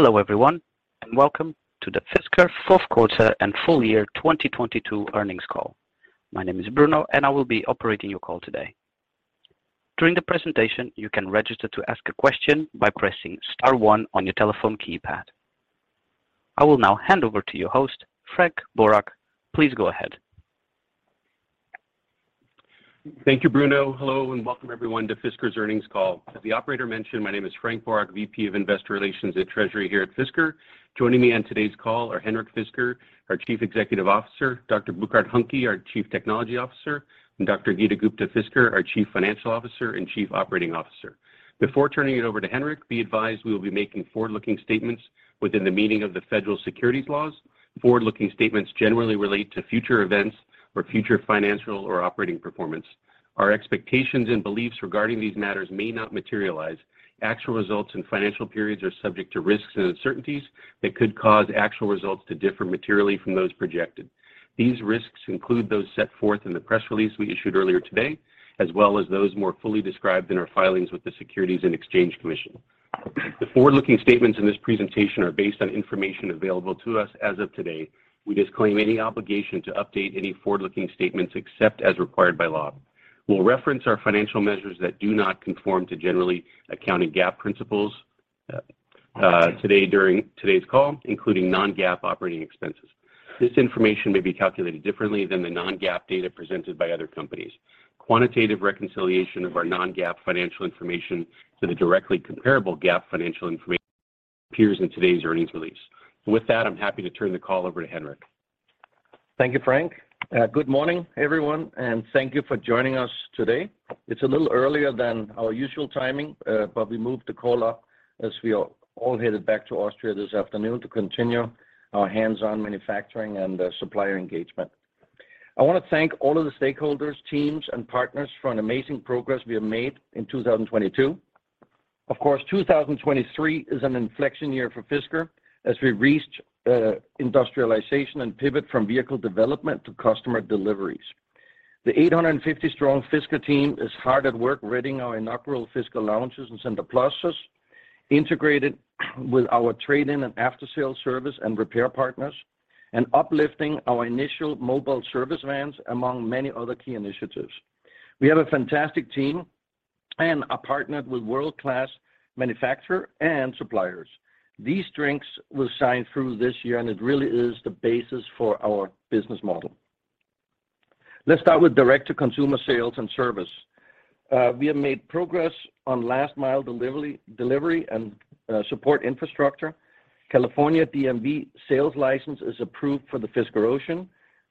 Hello everyone, welcome to the Fisker fourth quarter and full year 2022 earnings call. My name is Bruno, I will be operating your call today. During the presentation, you can register to ask a question by pressing star one on your telephone keypad. I will now hand over to your host, Frank Boroch. Please go ahead. Thank you, Bruno. Hello, welcome everyone to Fisker's earnings call. As the operator mentioned, my name is Frank Boroch, VP of Investor Relations at Treasury here at Fisker. Joining me on today's call are Henrik Fisker, our Chief Executive Officer, Dr. Burkhard Huhnke, our Chief Technology Officer, and Dr. Geeta Gupta-Fisker, our Chief Financial Officer and Chief Operating Officer. Before turning it over to Henrik, be advised we will be making forward-looking statements within the meaning of the federal securities laws. Forward-looking statements generally relate to future events or future financial or operating performance. Our expectations and beliefs regarding these matters may not materialize. Actual results and financial periods are subject to risks and uncertainties that could cause actual results to differ materially from those projected. These risks include those set forth in the press release we issued earlier today, as well as those more fully described in our filings with the Securities and Exchange Commission. The forward-looking statements in this presentation are based on information available to us as of today. We disclaim any obligation to update any forward-looking statements except as required by law. We'll reference our financial measures that do not conform to Generally Accepted Principles [GAAP] today during today's call, including non-GAAP operating expenses. This information may be calculated differently than the non-GAAP data presented by other companies. Quantitative reconciliation of our non-GAAP financial information to the directly comparable GAAP financial information appears in today's earnings release. With that, I'm happy to turn the call over to Henrik. Thank you, Frank. Good morning, everyone, and thank you for joining us today. It's a little earlier than our usual timing, but we moved the call up as we are all headed back to Austria this afternoon to continue our hands-on manufacturing and supplier engagement. I wanna thank all of the stakeholders, teams, and partners for an amazing progress we have made in 2022. Of course, 2023 is an inflection year for Fisker as we reach industrialization and pivot from vehicle development to customer deliveries. The 850 strong Fisker team is hard at work readying our inaugural Fisker lounges in Center+, integrated with our trade-in and after-sale service and repair partners, and uplifting our initial mobile service vans, among many other key initiatives. We have a fantastic team and are partnered with world-class manufacturer and suppliers. These strengths will shine through this year. It really is the basis for our business model. Let's start with direct-to-consumer sales and service. We have made progress on last mile delivery and support infrastructure. California DMV sales license is approved for the Fisker Ocean.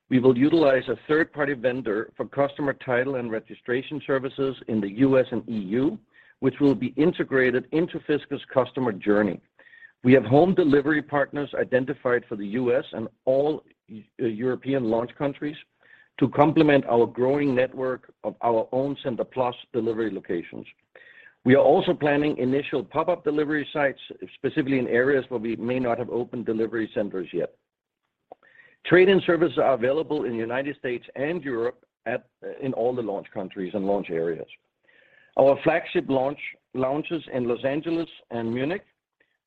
We will utilize a third-party vendor for customer title and registration services in the U.S. and E.U., which will be integrated into Fisker's customer journey. We have home delivery partners identified for the U.S. and all European launch countries to complement our growing network of our own Center plus delivery locations. We are also planning initial pop-up delivery sites, specifically in areas where we may not have opened delivery centers yet. Trade-in services are available in the United States and Europe in all the launch countries and launch areas. Our flagship lounges in Los Angeles and Munich,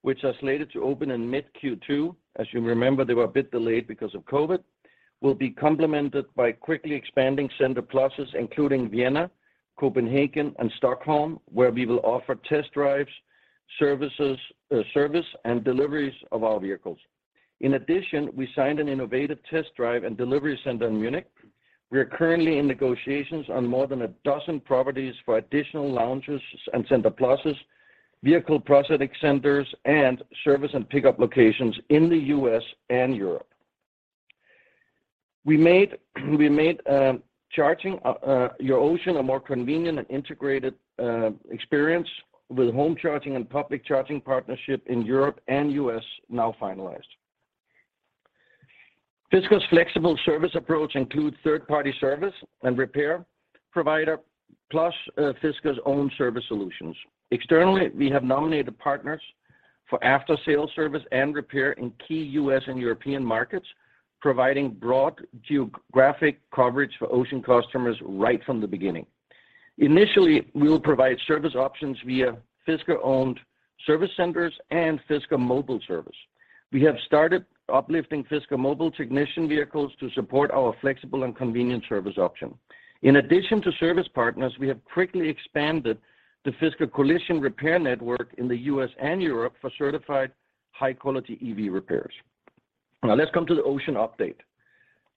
which are slated to open in mid Q2, as you remember, they were a bit delayed because of COVID, will be complemented by quickly expanding Center Pluses, including Vienna, Copenhagen, and Stockholm, where we will offer test drives, services, service and deliveries of our vehicles. In addition, we signed an innovative test drive and delivery center in Munich. We are currently in negotiations on more than a dozen properties for additional lounges and Center Pluses, vehicle processing centers, and service and pickup locations in the U.S. and Europe. We made charging your Ocean a more convenient and integrated experience with home charging and public charging partnership in Europe and U.S. now finalized. Fisker's flexible service approach includes third-party service and repair provider, plus Fisker's own service solutions. Externally, we have nominated partners for after-sale service and repair in key U.S. and European markets, providing broad geographic coverage for Ocean customers right from the beginning. Initially, we will provide service options via Fisker-owned service centers and Fisker mobile service. We have started uplifting Fisker mobile technician vehicles to support our flexible and convenient service option. In addition to service partners, we have quickly expanded the Fisker collision repair network in the U.S. and Europe for certified high-quality EV repairs. Let's come to the Ocean update.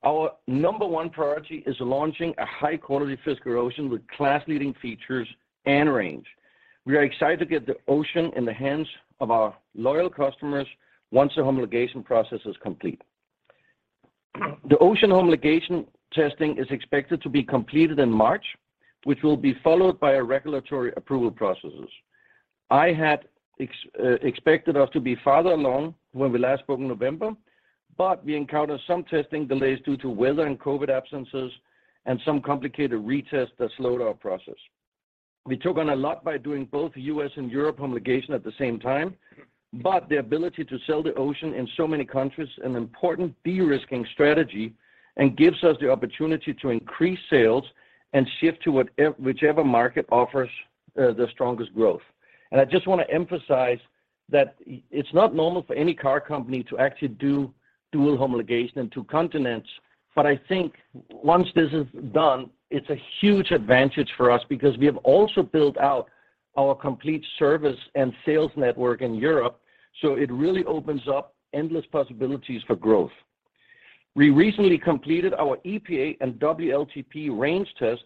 Our number one priority is launching a high-quality Fisker Ocean with class-leading features and range. We are excited to get the Ocean in the hands of our loyal customers once the homologation process is complete. The Ocean homologation testing is expected to be completed in March, which will be followed by our regulatory approval processes. I had expected us to be farther along when we last spoke in November, but we encountered some testing delays due to weather and COVID absences, and some complicated retests that slowed our process. We took on a lot by doing both U.S. and Europe homologation at the same time, but the ability to sell the Ocean in so many countries, an important de-risking strategy and gives us the opportunity to increase sales and shift to whichever market offers the strongest growth. I just wanna emphasize that it's not normal for any car company to actually do dual homologation in two continents, but I think once this is done, it's a huge advantage for us because we have also built out our complete service and sales network in Europe, so it really opens up endless possibilities for growth. We recently completed our EPA and WLTP range test,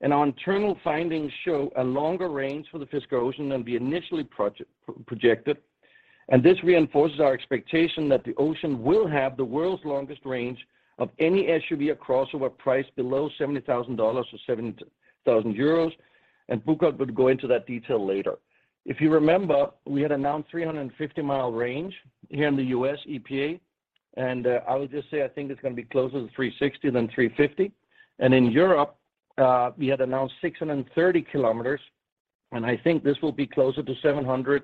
and our internal findings show a longer range for the Fisker Ocean than we initially projected. This reinforces our expectation that the Ocean will have the world's longest range of any SUV or crossover priced below $70,000 or E.U.R 70,000, and Burkhard will go into that detail later. If you remember, we had announced 350-mile range here in the U.S. EPA, and I would just say I think it's gonna be closer to 360 than 350. In Europe, we had announced 630 kilometers, and I think this will be closer to 700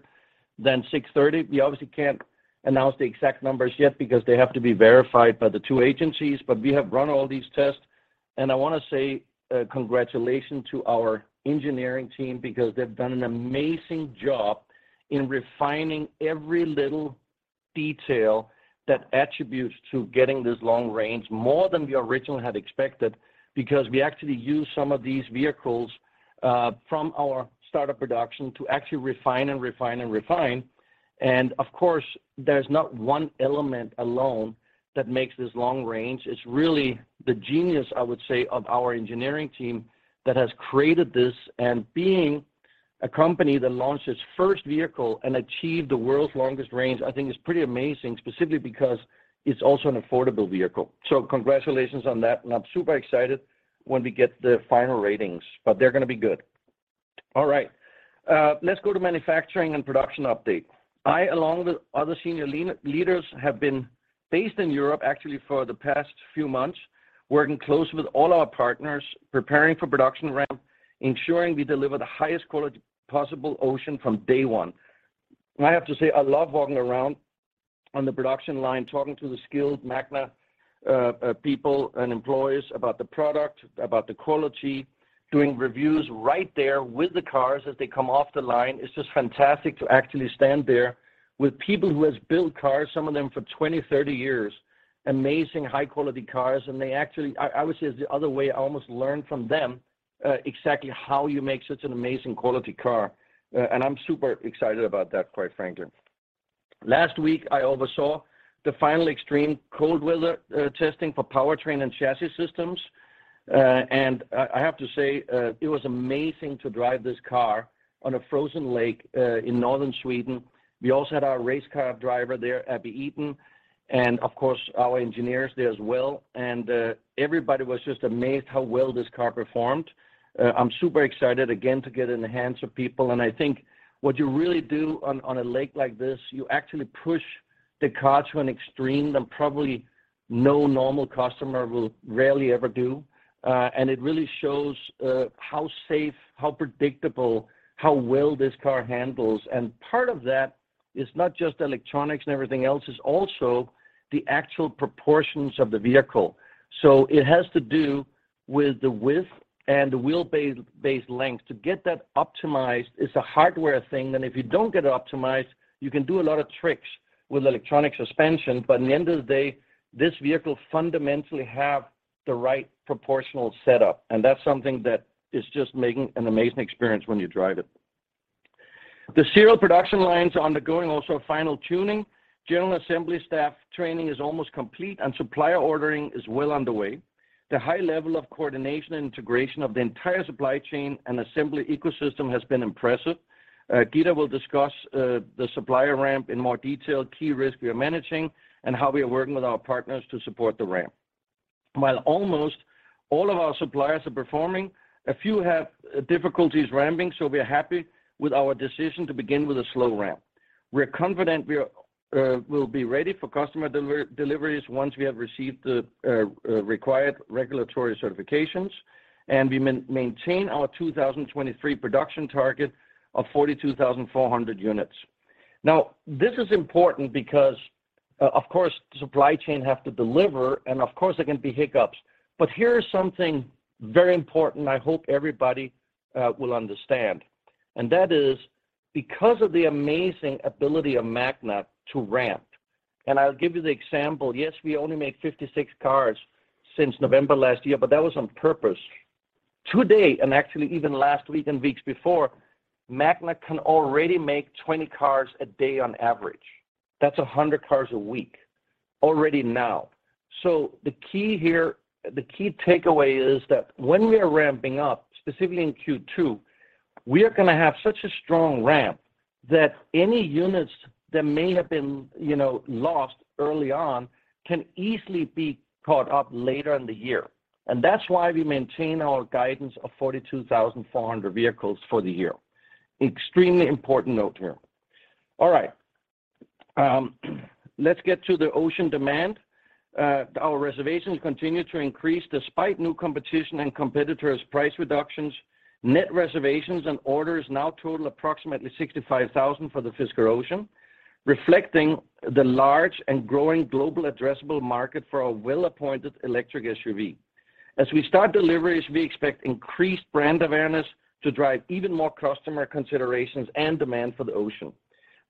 than 630. We obviously can't announce the exact numbers yet because they have to be verified by the two agencies. We have run all these tests, and I wanna say, congratulations to our engineering team because they've done an amazing job in refining every little detail that attributes to getting this long range, more than we originally had expected, because we actually used some of these vehicles from our startup production to actually refine and refine and refine. Of course, there's not one element alone that makes this long range. It's really the genius, I would say, of our engineering team that has created this. Being a company that launched its first vehicle and achieved the world's longest range, I think is pretty amazing, specifically because it's also an affordable vehicle. Congratulations on that, and I'm super excited when we get the final ratings, but they're gonna be good. All right. Let's go to manufacturing and production update. I, along with other senior leaders, have been based in Europe actually for the past few months, working closely with all our partners, preparing for production ramp, ensuring we deliver the highest quality possible Ocean from day one. I have to say, I love walking around on the production line, talking to the skilled Magna people and employees about the product, about the quality, doing reviews right there with the cars as they come off the line. It's just fantastic to actually stand there with people who has built cars, some of them for 20, 30 years, amazing high-quality cars. They actually I would say it's the other way, I almost learn from them exactly how you make such an amazing quality car. I'm super excited about that, quite frankly. Last week, I oversaw the final extreme cold weather testing for powertrain and chassis systems. I have to say, it was amazing to drive this car on a frozen lake in northern Sweden. We also had our race car driver there, Abbie Eaton, and of course, our engineers there as well. Everybody was just amazed how well this car performed. I'm super excited again to get it in the hands of people. I think what you really do on a lake like this, you actually push the car to an extreme that probably no normal customer will rarely ever do. It really shows how safe, how predictable, how well this car handles. And part of that is not just electronics and everything else, it's also the actual proportions of the vehicle. It has to do with the width and the wheelbase length. To get that optimized is a hardware thing. If you don't get it optimized, you can do a lot of tricks with electronic suspension. In the end of the day, this vehicle fundamentally have the right proportional setup. That's something that is just making an amazing experience when you drive it. The serial production line's undergoing also final tuning. General assembly staff training is almost complete. Supplier ordering is well underway. The high level of coordination and integration of the entire supply chain and assembly ecosystem has been impressive. Geeta will discuss the supplier ramp in more detail, key risks we are managing, and how we are working with our partners to support the ramp. While almost all of our suppliers are performing, we are happy with our decision to begin with a slow ramp. We're confident we'll be ready for customer deliveries once we have received the required regulatory certifications, we maintain our 2023 production target of 42,400 units. This is important because, of course, supply chain have to deliver, of course there can be hiccups. Here is something very important I hope everybody will understand. That is because of the amazing ability of Magna to ramp, I'll give you the example, yes, we only made 56 cars since November last year, that was on purpose. Today, actually even last week and weeks before, Magna can already make 20 cars a day on average. That's 100 cars a week already now. The key here, the key takeaway is that when we are ramping up, specifically in Q2, we are gonna have such a strong ramp that any units that may have been, you know, lost early on can easily be caught up later in the year. That's why we maintain our guidance of 42,400 vehicles for the year. Extremely important note here. All right. Let's get to the Ocean demand. Our reservations continue to increase despite new competition and competitors' price reductions. Net reservations and orders now total approximately 65,000 for the Fisker Ocean, reflecting the large and growing global addressable market for a well-appointed electric SUV. As we start deliveries, we expect increased brand awareness to drive even more customer considerations and demand for the Ocean.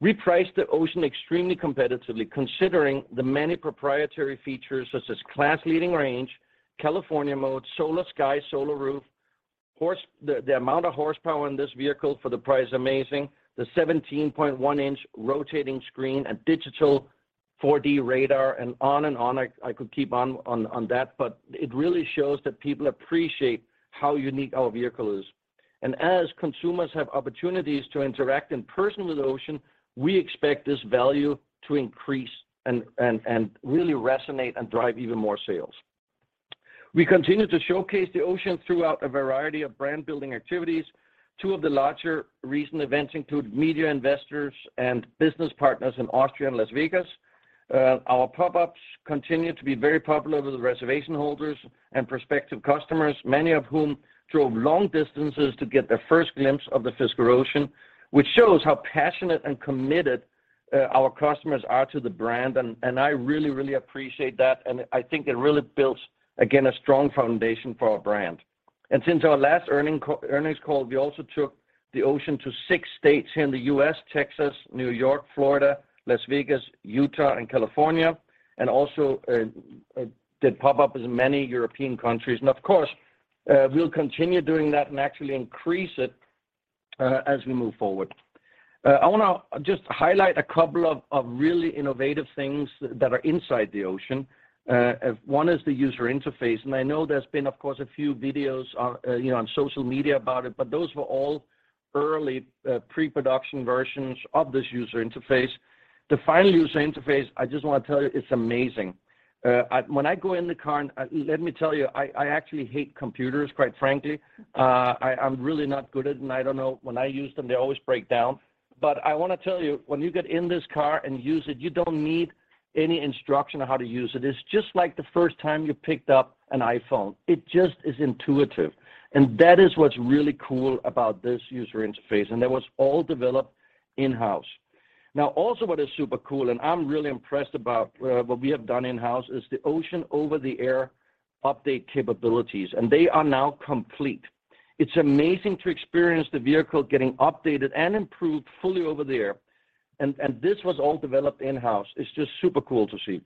We priced the Ocean extremely competitively, considering the many proprietary features such as class-leading range, California Mode, SolarSky, solar roof, the amount of horsepower in this vehicle for the price is amazing. The 17.1-inch rotating screen, a digital 4D radar, and on and on. I could keep on that, but it really shows that people appreciate how unique our vehicle is. As consumers have opportunities to interact in person with Ocean, we expect this value to increase and really resonate and drive even more sales. We continue to showcase the Ocean throughout a variety of brand-building activities. Two of the larger recent events include media investors and business partners in Austria and Las Vegas. Our pop-ups continue to be very popular with reservation holders and prospective customers, many of whom drove long distances to get their first glimpse of the Fisker Ocean, which shows how passionate and committed our customers are to the brand. I really appreciate that, and I think it really builds, again, a strong foundation for our brand. Since our last earnings call, we also took the Ocean to 6 states here in the U.S., Texas, New York, Florida, Las Vegas, Utah, and California, and also did pop-ups in many European countries. Of course, we'll continue doing that and actually increase it as we move forward. I wanna just highlight a couple of really innovative things that are inside the Ocean. One is the user interface, I know there's been, of course, a few videos on, you know, on social media about it, but those were all early pre-production versions of this user interface. The final user interface, I just wanna tell you, it's amazing. When I go in the car, and let me tell you, I actually hate computers, quite frankly. I'm really not good at them, and I don't know, when I use them, they always break down. I wanna tell you, when you get in this car and use it, you don't need any instruction on how to use it. It's just like the first time you picked up an iPhone. It just is intuitive. That is what's really cool about this user interface, and that was all developed in-house. Also what is super cool, and I'm really impressed about what we have done in-house, is the Ocean over-the-air update capabilities, and they are now complete. It's amazing to experience the vehicle getting updated and improved fully over there. This was all developed in-house. It's just super cool to see.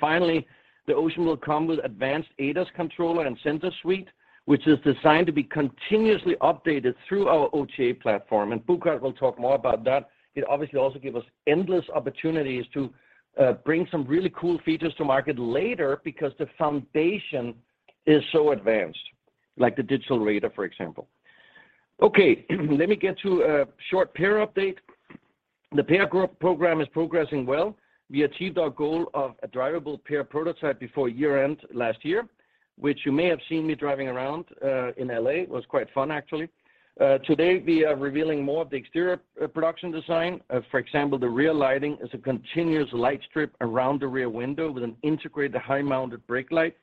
Finally, the Ocean will come with advanced ADAS controller and sensor suite, which is designed to be continuously updated through our OTA platform, and Burkhard will talk more about that. It obviously also give us endless opportunities to bring some really cool features to market later because the foundation is so advanced, like the digital radar, for example. Okay, let me get to a short PEAR update. The PEAR group program is progressing well. We achieved our goal of a drivable PEAR prototype before year-end last year, which you may have seen me driving around in L.A. It was quite fun, actually. Today, we are revealing more of the exterior production design. For example, the rear lighting is a continuous light strip around the rear window with an integrated high-mounted brake light.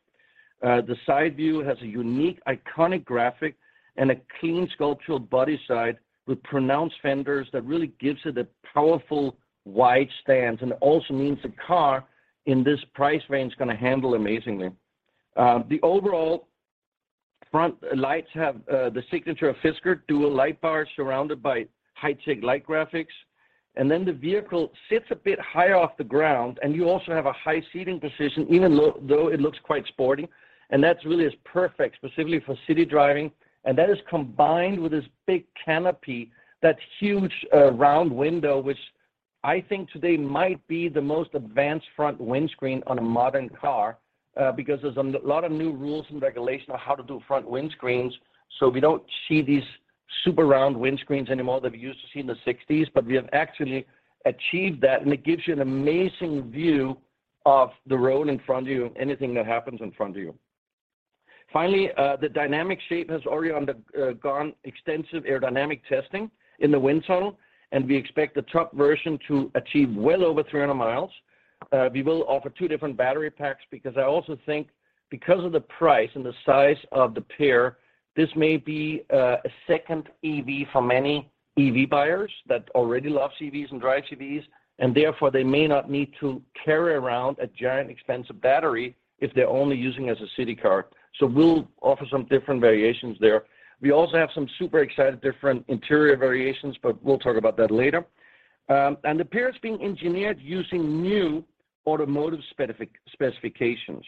The side view has a unique iconic graphic and a clean sculptural body side with pronounced fenders that really gives it a powerful wide stance and also means the car in this price range is gonna handle amazingly. The overall front lights have the signature of Fisker dual light bar surrounded by high tech light graphics. The vehicle sits a bit higher off the ground, and you also have a high seating position, even though it looks quite sporty. That's really is perfect specifically for city driving. That is combined with this big canopy, that huge, round window, which I think today might be the most advanced front windscreen on a modern car, because there's a lot of new rules and regulations on how to do front windscreens. We don't see these super round windscreens anymore that we used to see in the 60s, but we have actually achieved that, and it gives you an amazing view of the road in front of you and anything that happens in front of you. Finally, the dynamic shape has already gone extensive aerodynamic testing in the wind tunnel, and we expect the truck version to achieve well over 300 miles. We will offer two different battery packs because I also think because of the price and the size of the PEAR, this may be a second EV for many EV buyers that already love EVs and drive EVs, and therefore, they may not need to carry around a giant expensive battery if they're only using it as a city car. We'll offer some different variations there. We also have some super exciting different interior variations. We'll talk about that later. The PEAR is being engineered using new automotive specifications,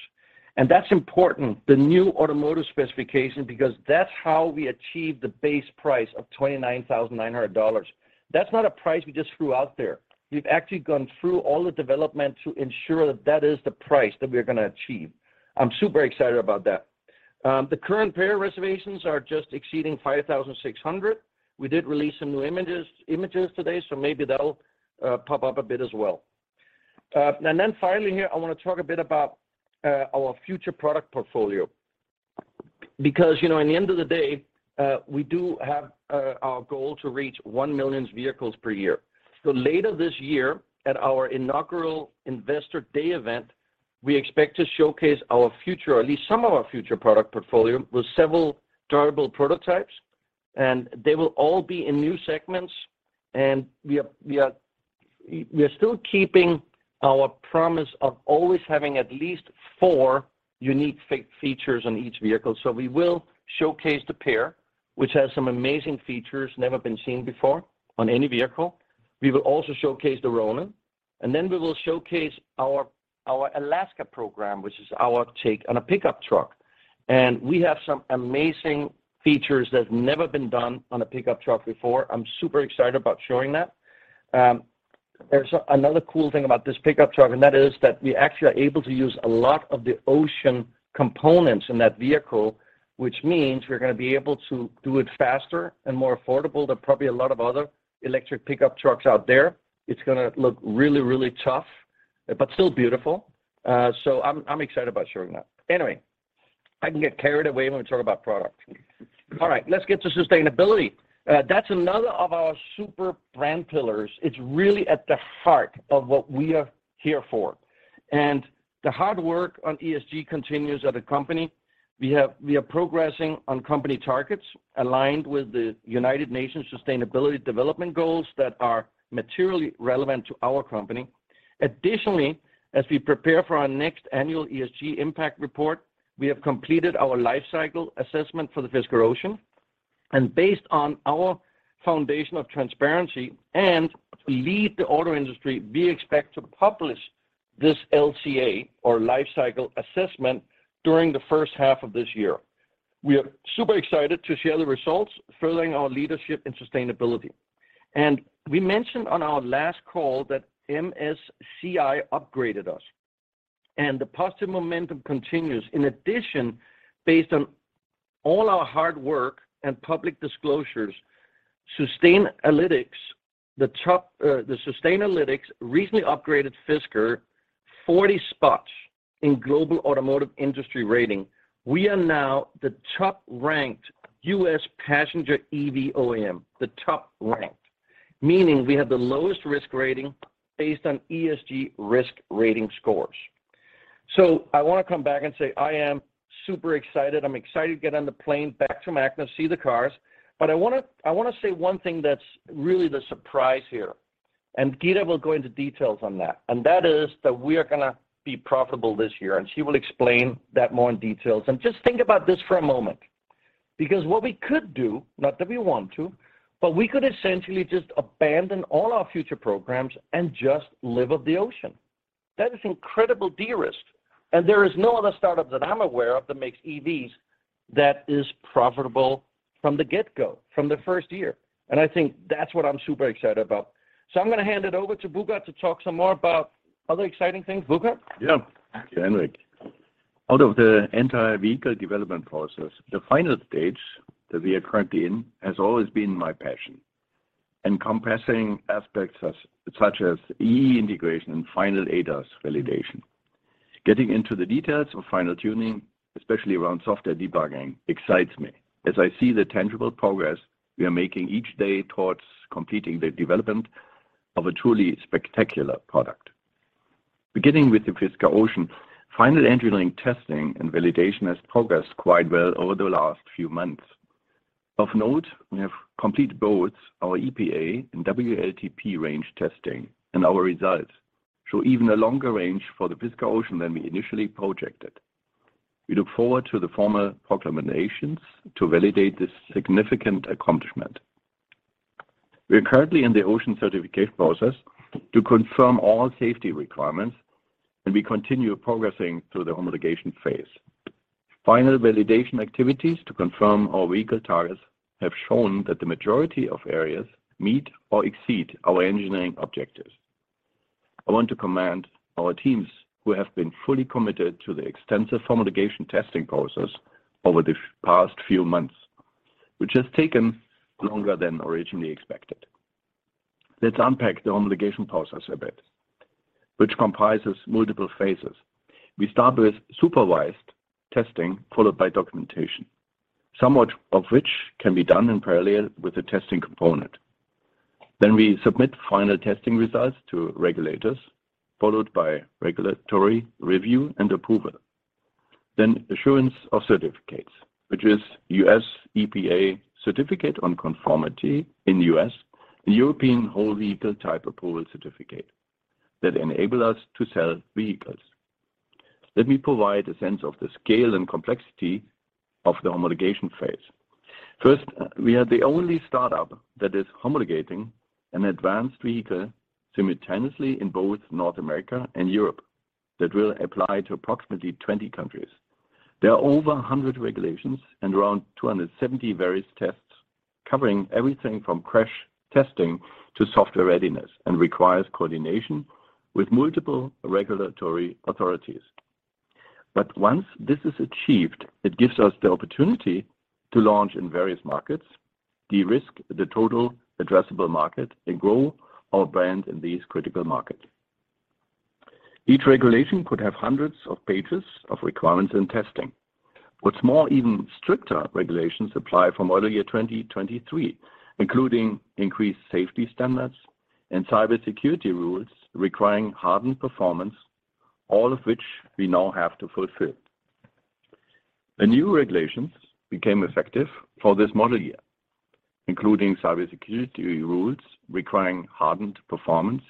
and that's important, the new automotive specification, because that's how we achieve the base price of $29,900. That's not a price we just threw out there. We've actually gone through all the development to ensure that that is the price that we're gonna achieve. I'm super excited about that. The current PEAR reservations are just exceeding 5,600. We did release some new images today, maybe that'll pop up a bit as well. Finally here, I wanna talk a bit about our future product portfolio. You know, in the end of the day, we do have our goal to reach 1 million vehicles per year. Later this year at our inaugural Investor Day event, we expect to showcase our future, at least some of our future product portfolio with several durable prototypes. They will all be in new segments. We are still keeping our promise of always having at least four unique features on each vehicle. We will showcase the PEAR, which has some amazing features never been seen before on any vehicle. We will also showcase the Ronin, then we will showcase our Alaska program, which is our take on a pickup truck. We have some amazing features that have never been done on a pickup truck before. I'm super excited about showing that. There's another cool thing about this pickup truck, and that is that we actually are able to use a lot of the Ocean components in that vehicle, which means we're gonna be able to do it faster and more affordable than probably a lot of other electric pickup trucks out there. It's gonna look really, really tough, but still beautiful. I'm excited about showing that. Anyway, I can get carried away when we talk about product. Let's get to sustainability. That's another of our super brand pillars. It's really at the heart of what we are here for. The hard work on ESG continues at the company. We are progressing on company targets aligned with the United Nations Sustainable Development Goals that are materially relevant to our company. Additionally, as we prepare for our next annual ESG impact report, we have completed our Life Cycle Assessment for the Fisker Ocean. Based on our foundation of transparency and to lead the auto industry, we expect to publish this LCA or Life Cycle Assessment during the first half of this year. We are super excited to share the results, furthering our leadership in sustainability. We mentioned on our last call that MSCI upgraded us, and the positive momentum continues. In addition, based on all our hard work and public disclosures, Sustainalytics recently upgraded Fisker 40 spots in global automotive industry rating. We are now the top-ranked U.S. passenger EV OEM, the top-ranked. Meaning, we have the lowest risk rating based on ESG risk rating scores. I wanna come back and say I am super excited. I'm excited to get on the plane back from ARR-on, see the cars. I wanna, I wanna say one thing that's really the surprise here, and Geeta will go into details on that. That is that we are gonna be profitable this year, and she will explain that more in details. Just think about this for a moment. What we could do, not that we want to, but we could essentially just abandon all our future programs and just live off the Ocean. That is incredible de-risk. There is no other startup that I'm aware of that makes EVs that is profitable from the get-go, from the first year. I think that's what I'm super excited about. I'm gonna hand it over to Burkhard to talk some more about other exciting things. Burkhard? Thank you, Henrik. Out of the entire vehicle development process, the final stage that we are currently in has always been my passion. Encompassing aspects such as E/E integration and final ADAS validation. Getting into the details of final tuning, especially around software debugging, excites me as I see the tangible progress we are making each day towards completing the development of a truly spectacular product. Beginning with the Fisker Ocean, final engineering testing and validation has progressed quite well over the last few months. Of note, we have complete both our EPA and WLTP range testing. Our results show even a longer range for the Fisker Ocean than we initially projected. We look forward to the formal proclamations to validate this significant accomplishment. We are currently in the Ocean certification process to confirm all safety requirements. We continue progressing through the homologation phase. Final validation activities to confirm our vehicle targets have shown that the majority of areas meet or exceed our engineering objectives. I want to commend our teams who have been fully committed to the extensive homologation testing process over the past few months, which has taken longer than originally expected. Let's unpack the homologation process a bit, which comprises multiple phases. We start with supervised testing, followed by documentation, some of which can be done in parallel with the testing component. We submit final testing results to regulators, followed by regulatory review and approval. Assurance of certificates, which is U.S. EPA Certificate of Conformity in the U.S. and European Whole Vehicle Type Approval certificate that enable us to sell vehicles. Let me provide a sense of the scale and complexity of the homologation phase. First, we are the only startup that is homologating an advanced vehicle simultaneously in both North America and Europe that will apply to approximately 20 countries. There are over 100 regulations and around 270 various tests covering everything from crash testing to software readiness, and requires coordination with multiple regulatory authorities. Once this is achieved, it gives us the opportunity to launch in various markets, de-risk the total addressable market, and grow our brand in these critical markets. Each regulation could have hundreds of pages of requirements and testing. What's more, even stricter regulations apply from model year 2023, including increased safety standards and cybersecurity rules requiring hardened performance, all of which we now have to fulfill. The new regulations became effective for this model year, including cybersecurity rules requiring hardened performance,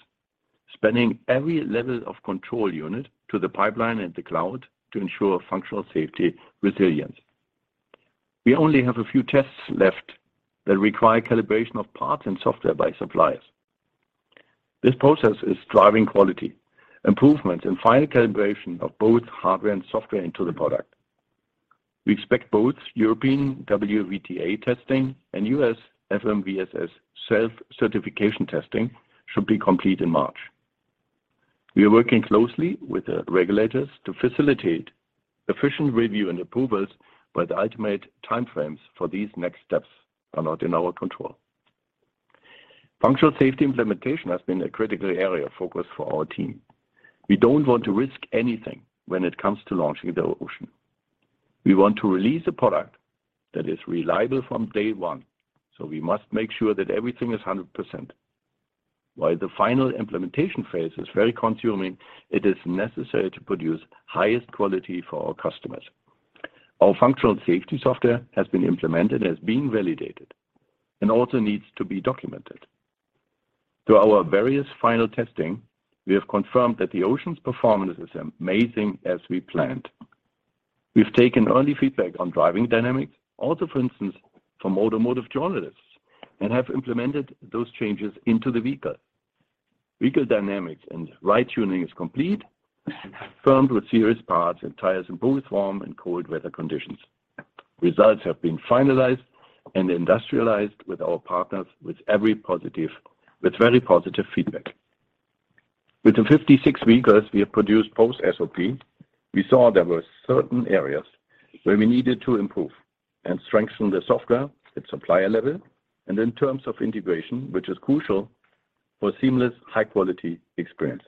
spanning every level of control unit to the pipeline and the cloud to ensure functional safety resilience. We only have a few tests left that require calibration of parts and software by suppliers. This process is driving quality improvements and final calibration of both hardware and software into the product. We expect both European WVTA testing and U.S. FMVSS self-certification testing should be complete in March. We are working closely with the regulators to facilitate efficient review and approvals, but the ultimate time frames for these next steps are not in our control. Functional safety implementation has been a critical area of focus for our team. We don't want to risk anything when it comes to launching the Ocean. We want to release a product that is reliable from day one, so we must make sure that everything is 100%. While the final implementation phase is very consuming, it is necessary to produce highest quality for our customers. Our functional safety software has been implemented, has been validated, and also needs to be documented. Through our various final testing, we have confirmed that the Ocean's performance is amazing as we planned. We've taken early feedback on driving dynamics, also for instance from automotive journalists, and have implemented those changes into the vehicle. Vehicle dynamics and ride tuning is complete, firmed with serious parts and tires in both warm and cold weather conditions. Results have been finalized and industrialized with our partners with very positive feedback. With the 56 vehicles we have produced post-SOP, we saw there were certain areas where we needed to improve and strengthen the software at supplier level and in terms of integration, which is crucial for seamless high-quality experience.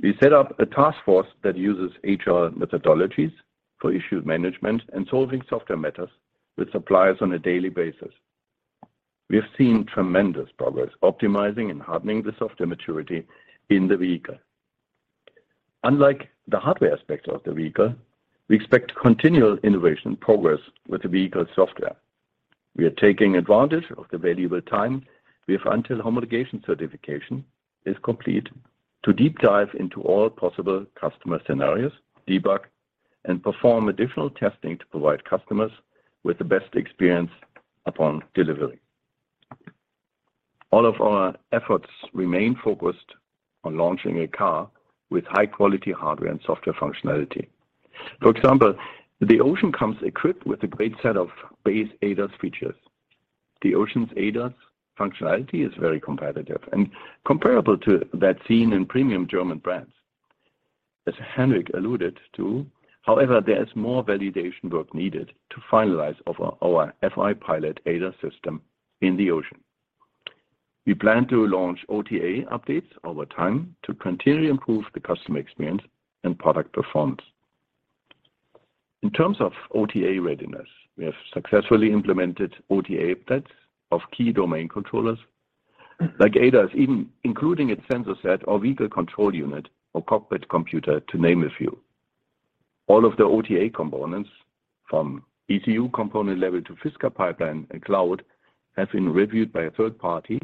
We set up a task force that uses agile methodologies for issue management and solving software matters with suppliers on a daily basis. We have seen tremendous progress optimizing and hardening the software maturity in the vehicle. Unlike the hardware aspect of the vehicle, we expect continual innovation progress with the vehicle's software. We are taking advantage of the valuable time we have until homologation certification is complete to deep dive into all possible customer scenarios, debug, and perform additional testing to provide customers with the best experience upon delivery. All of our efforts remain focused on launching a car with high-quality hardware and software functionality. For example, the Ocean comes equipped with a great set of base ADAS features. The Ocean's ADAS functionality is very competitive and comparable to that seen in premium German brands. As Henrik alluded to, however, there is more validation work needed to finalize of our FI-Pilot ADAS system in the Ocean. We plan to launch OTA updates over time to continually improve the customer experience and product performance. In terms of OTA readiness, we have successfully implemented OTA updates of key domain controllers like ADAS, even including its sensor set of vehicle control unit or cockpit computer, to name a few. All of the OTA components, from ECU component level to Fisker pipeline and cloud, have been reviewed by a third party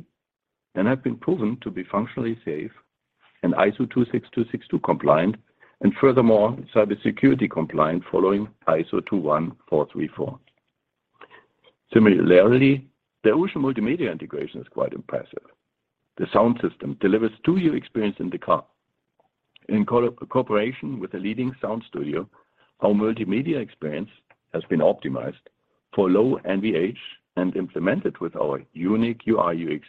and have been proven to be functionally safe and ISO 26262 compliant and furthermore, cybersecurity compliant following ISO 21434. Similarly, the Ocean multimedia integration is quite impressive. The sound system delivers two-year experience in the car. In cooperation with a leading sound studio, our multimedia experience has been optimized for low NVH and implemented with our unique UI UX,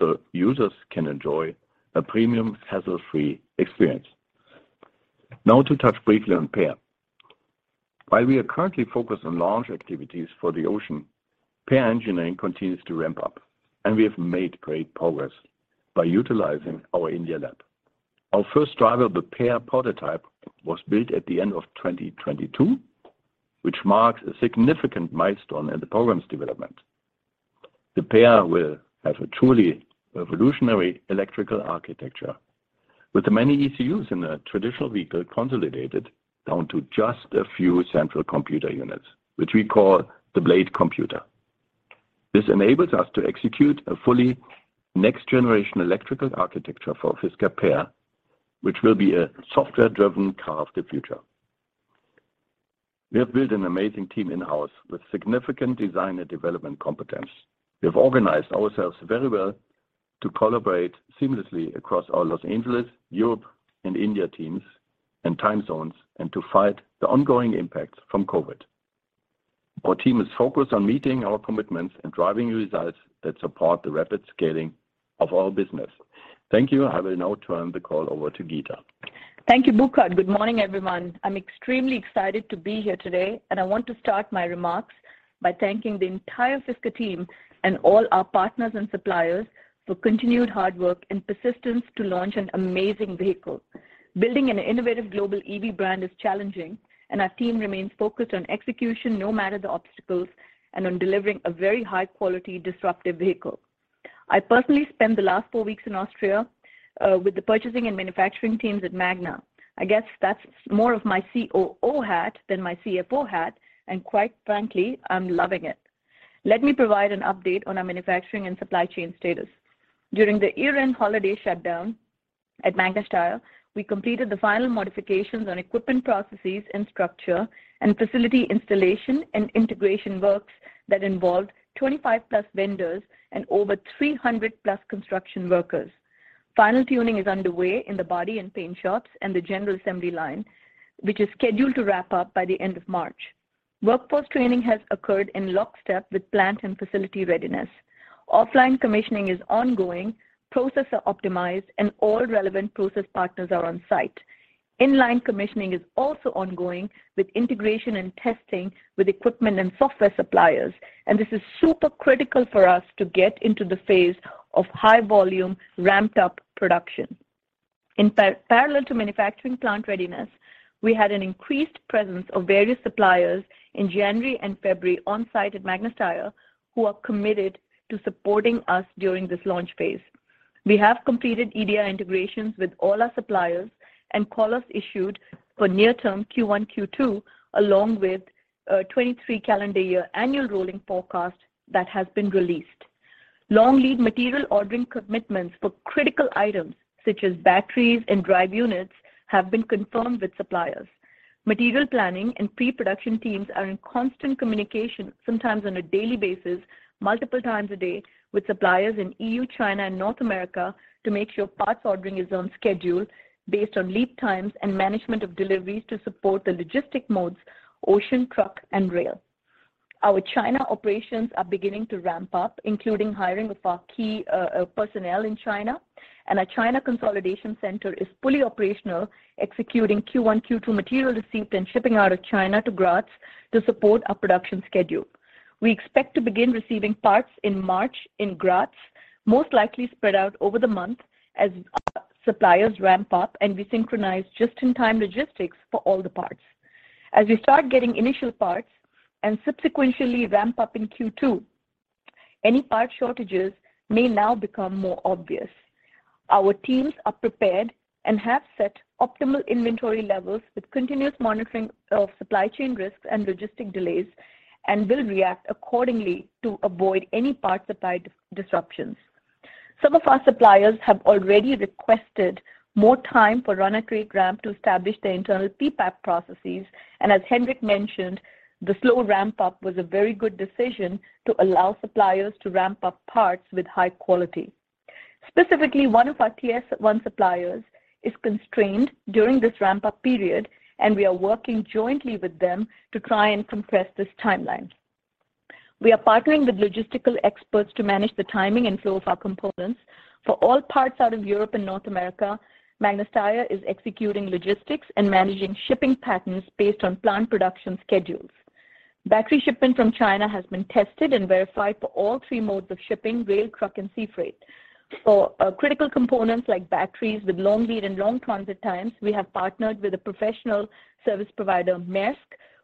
so users can enjoy a premium hassle-free experience. Now to touch briefly on PEAR. While we are currently focused on launch activities for the Ocean, PEAR engineering continues to ramp up, and we have made great progress by utilizing our India lab. Our first drivable PEAR prototype was built at the end of 2022, which marks a significant milestone in the program's development. The PEAR will have a truly revolutionary electrical architecture, with the many ECUs in a traditional vehicle consolidated down to just a few central computer units, which we call the Blade Computer. This enables us to execute a fully next-generation electrical architecture for Fisker PEAR, which will be a software-driven car of the future. We have built an amazing team in-house with significant design and development competence. We have organized ourselves very well to collaborate seamlessly across our Los Angeles, Europe, and India teams and time zones and to fight the ongoing impact from COVID. Our team is focused on meeting our commitments and driving results that support the rapid scaling of our business. Thank you. I will now turn the call over to Geeta. Thank you, Burkhard. Good morning, everyone. I'm extremely excited to be here today. I want to start my remarks by thanking the entire Fisker team and all our partners and suppliers for continued hard work and persistence to launch an amazing vehicle. Building an innovative global EV brand is challenging, and our team remains focused on execution, no matter the obstacles and on delivering a very high quality disruptive vehicle. I personally spent the last four weeks in Austria, with the purchasing and manufacturing teams at Magna. I guess that's more of my COO hat than my CFO hat, and quite frankly, I'm loving it. Let me provide an update on our manufacturing and supply chain status. During the year-end holiday shutdown at Magna Steyr, we completed the final modifications on equipment processes and structure and facility installation and integration works that involved 25+ vendors and over 300+ construction workers. Final tuning is underway in the body and paint shops and the general assembly line, which is scheduled to wrap up by the end of March. Workforce training has occurred in lockstep with plant and facility readiness. Offline commissioning is ongoing, processes are optimized, and all relevant process partners are on site. Inline commissioning is also ongoing with integration and testing with equipment and software suppliers, and this is super critical for us to get into the phase of high-volume, ramped-up production. In parallel to manufacturing plant readiness, we had an increased presence of various suppliers in January and February on-site at Magna Steyr, who are committed to supporting us during this launch phase. We have completed EDI integrations with all our suppliers and call us issued for near-term Q1, Q2, along with 2023 calendar year annual rolling forecast that has been released. Long lead material ordering commitments for critical items such as batteries and drive units have been confirmed with suppliers. Material planning and pre-production teams are in constant communication, sometimes on a daily basis, multiple times a day with suppliers in E.U., China and North America to make sure parts ordering is on schedule based on lead times and management of deliveries to support the logistic modes, ocean, truck and rail. Our China operations are beginning to ramp up, including hiring of our key personnel in China. Our China consolidation center is fully operational, executing Q1, Q2 material receipt and shipping out of China to Graz to support our production schedule. We expect to begin receiving parts in March in Graz, most likely spread out over the month as our suppliers ramp up and we synchronize just-in-time logistics for all the parts. As we start getting initial parts and subsequently ramp up in Q2, any part shortages may now become more obvious. Our teams are prepared and have set optimal inventory levels with continuous monitoring of supply chain risks and logistic delays, and will react accordingly to avoid any part supply disruptions. Some of our suppliers have already requested more time for Run at Rate ramp to establish their internal PPAP processes. As Henrik mentioned, the slow ramp-up was a very good decision to allow suppliers to ramp up parts with high quality. Specifically, one of our Tier 1 suppliers is constrained during this ramp-up period, and we are working jointly with them to try and compress this timeline. We are partnering with logistical experts to manage the timing and flow of our components. For all parts out of Europe and North America, Magna Steyr is executing logistics and managing shipping patterns based on plant production schedules. Battery shipping from China has been tested and verified for all three modes of shipping: rail, truck and sea freight. For critical components like batteries with long lead and long transit times, we have partnered with a professional service provider, Maersk,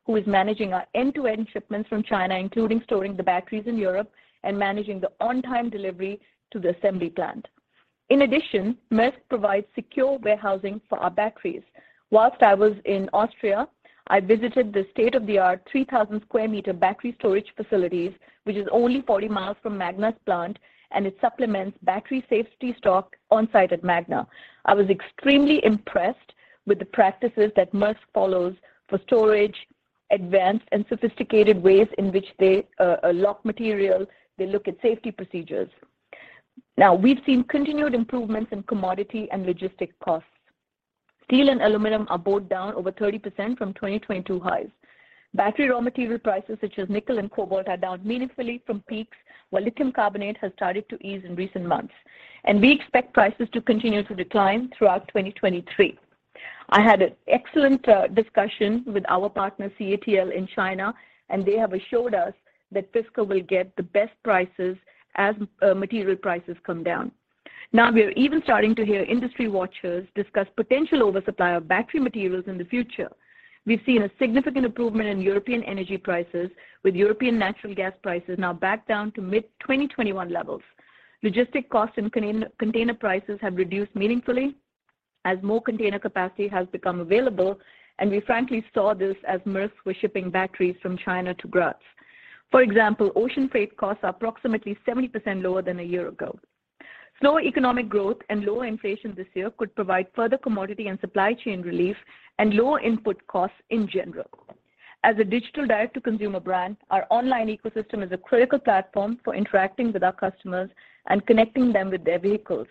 who is managing our end-to-end shipments from China, including storing the batteries in Europe and managing the on-time delivery to the assembly plant. Maersk provides secure warehousing for our batteries. Whilst I was in Austria, I visited the state-of-the-art 3,000 square meter battery storage facilities, which is only 40 miles from Magna's plant, and it supplements battery safety stock on-site at Magna. I was extremely impressed with the practices that Maersk follows for storage, advanced and sophisticated ways in which they lock material. They look at safety procedures. We've seen continued improvements in commodity and logistic costs. Steel and aluminum are both down over 30% from 2022 highs. Battery raw material prices such as nickel and cobalt are down meaningfully from peaks, while lithium carbonate has started to ease in recent months. We expect prices to continue to decline throughout 2023. I had an excellent discussion with our partner, CATL in China, and they have assured us that Fisker will get the best prices as material prices come down. We are even starting to hear industry watchers discuss potential oversupply of battery materials in the future. We've seen a significant improvement in European energy prices, with European natural gas prices now back down to mid-2021 levels. Logistic costs and container prices have reduced meaningfully as more container capacity has become available, and we frankly saw this as Maersk was shipping batteries from China to Graz. For example, ocean freight costs are approximately 70% lower than a year ago. Slower economic growth and lower inflation this year could provide further commodity and supply chain relief and lower input costs in general. As a digital direct-to-consumer brand, our online ecosystem is a critical platform for interacting with our customers and connecting them with their vehicles.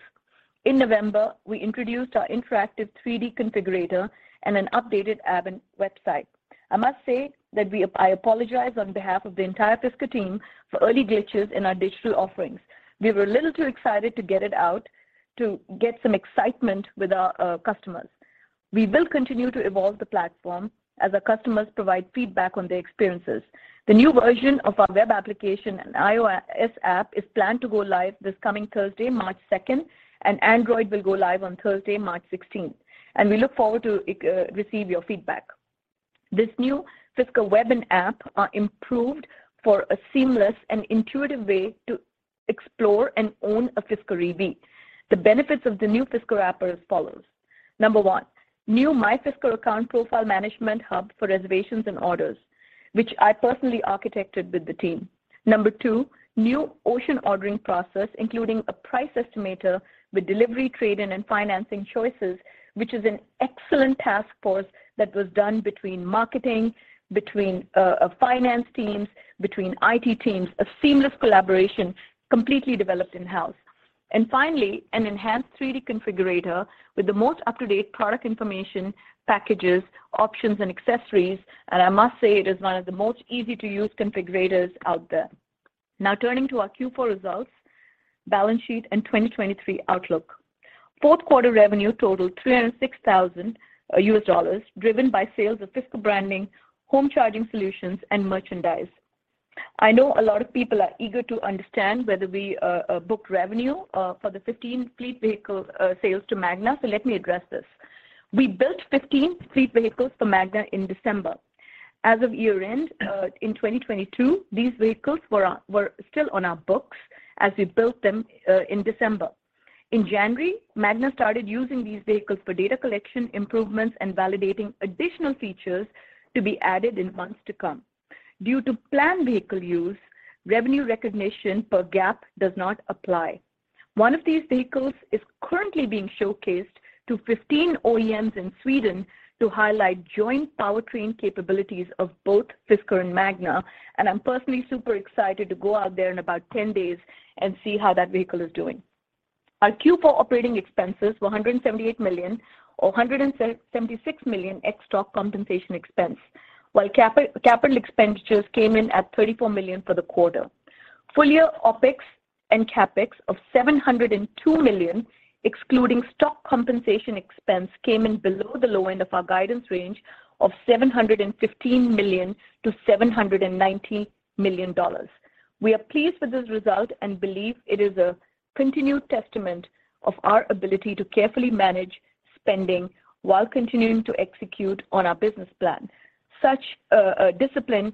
In November, we introduced our interactive 3D configurator and an updated app and website. I must say that I apologize on behalf of the entire Fisker team for early glitches in our digital offerings. We were a little too excited to get it out to get some excitement with our customers. We will continue to evolve the platform as our customers provide feedback on their experiences. The new version of our web application and iOS app is planned to go live this coming Thursday, March 2, and Android will go live on Thursday, March 16. We look forward to receive your feedback. This new Fisker web and app are improved for a seamless and intuitive way to explore and own a Fisker EV. The benefits of the new Fisker app are as follows. Number one, new My Fisker account profile management hub for reservations and orders, which I personally architected with the team. Number two, new Ocean ordering process, including a price estimator with delivery, trade-in, and financing choices, which is an excellent task force that was done between marketing, between finance teams, between IT teams, a seamless collaboration completely developed in-house. Finally, an enhanced 3D configurator with the most up-to-date product information, packages, options, and accessories, and I must say it is one of the most easy-to-use configurators out there. Now, turning to our Q4 results, balance sheet, and 2023 outlook. Fourth quarter revenue totaled $306,000, driven by sales of Fisker branding, home charging solutions, and merchandise. I know a lot of people are eager to understand whether we booked revenue for the 15 fleet vehicle sales to Magna. Let me address this. We built 15 fleet vehicles for Magna in December. As of year-end, in 2022, these vehicles were still on our books as we built them in December. In January, Magna started using these vehicles for data collection improvements and validating additional features to be added in months to come. Due to planned vehicle use, revenue recognition per GAAP does not apply. One of these vehicles is currently being showcased to 15 OEMs in Sweden to highlight joint powertrain capabilities of both Fisker and Magna, and I'm personally super excited to go out there in about 10 days and see how that vehicle is doing. Our Q4 operating expenses were $178 million, or $176 million ex stock compensation expense, while capital expenditures came in at $34 million for the quarter. Full year OpEx and CapEx of $702 million, excluding stock compensation expense, came in below the low end of our guidance range of $715 million-$719 million. We are pleased with this result and believe it is a continued testament of our ability to carefully manage spending while continuing to execute on our business plan. Such discipline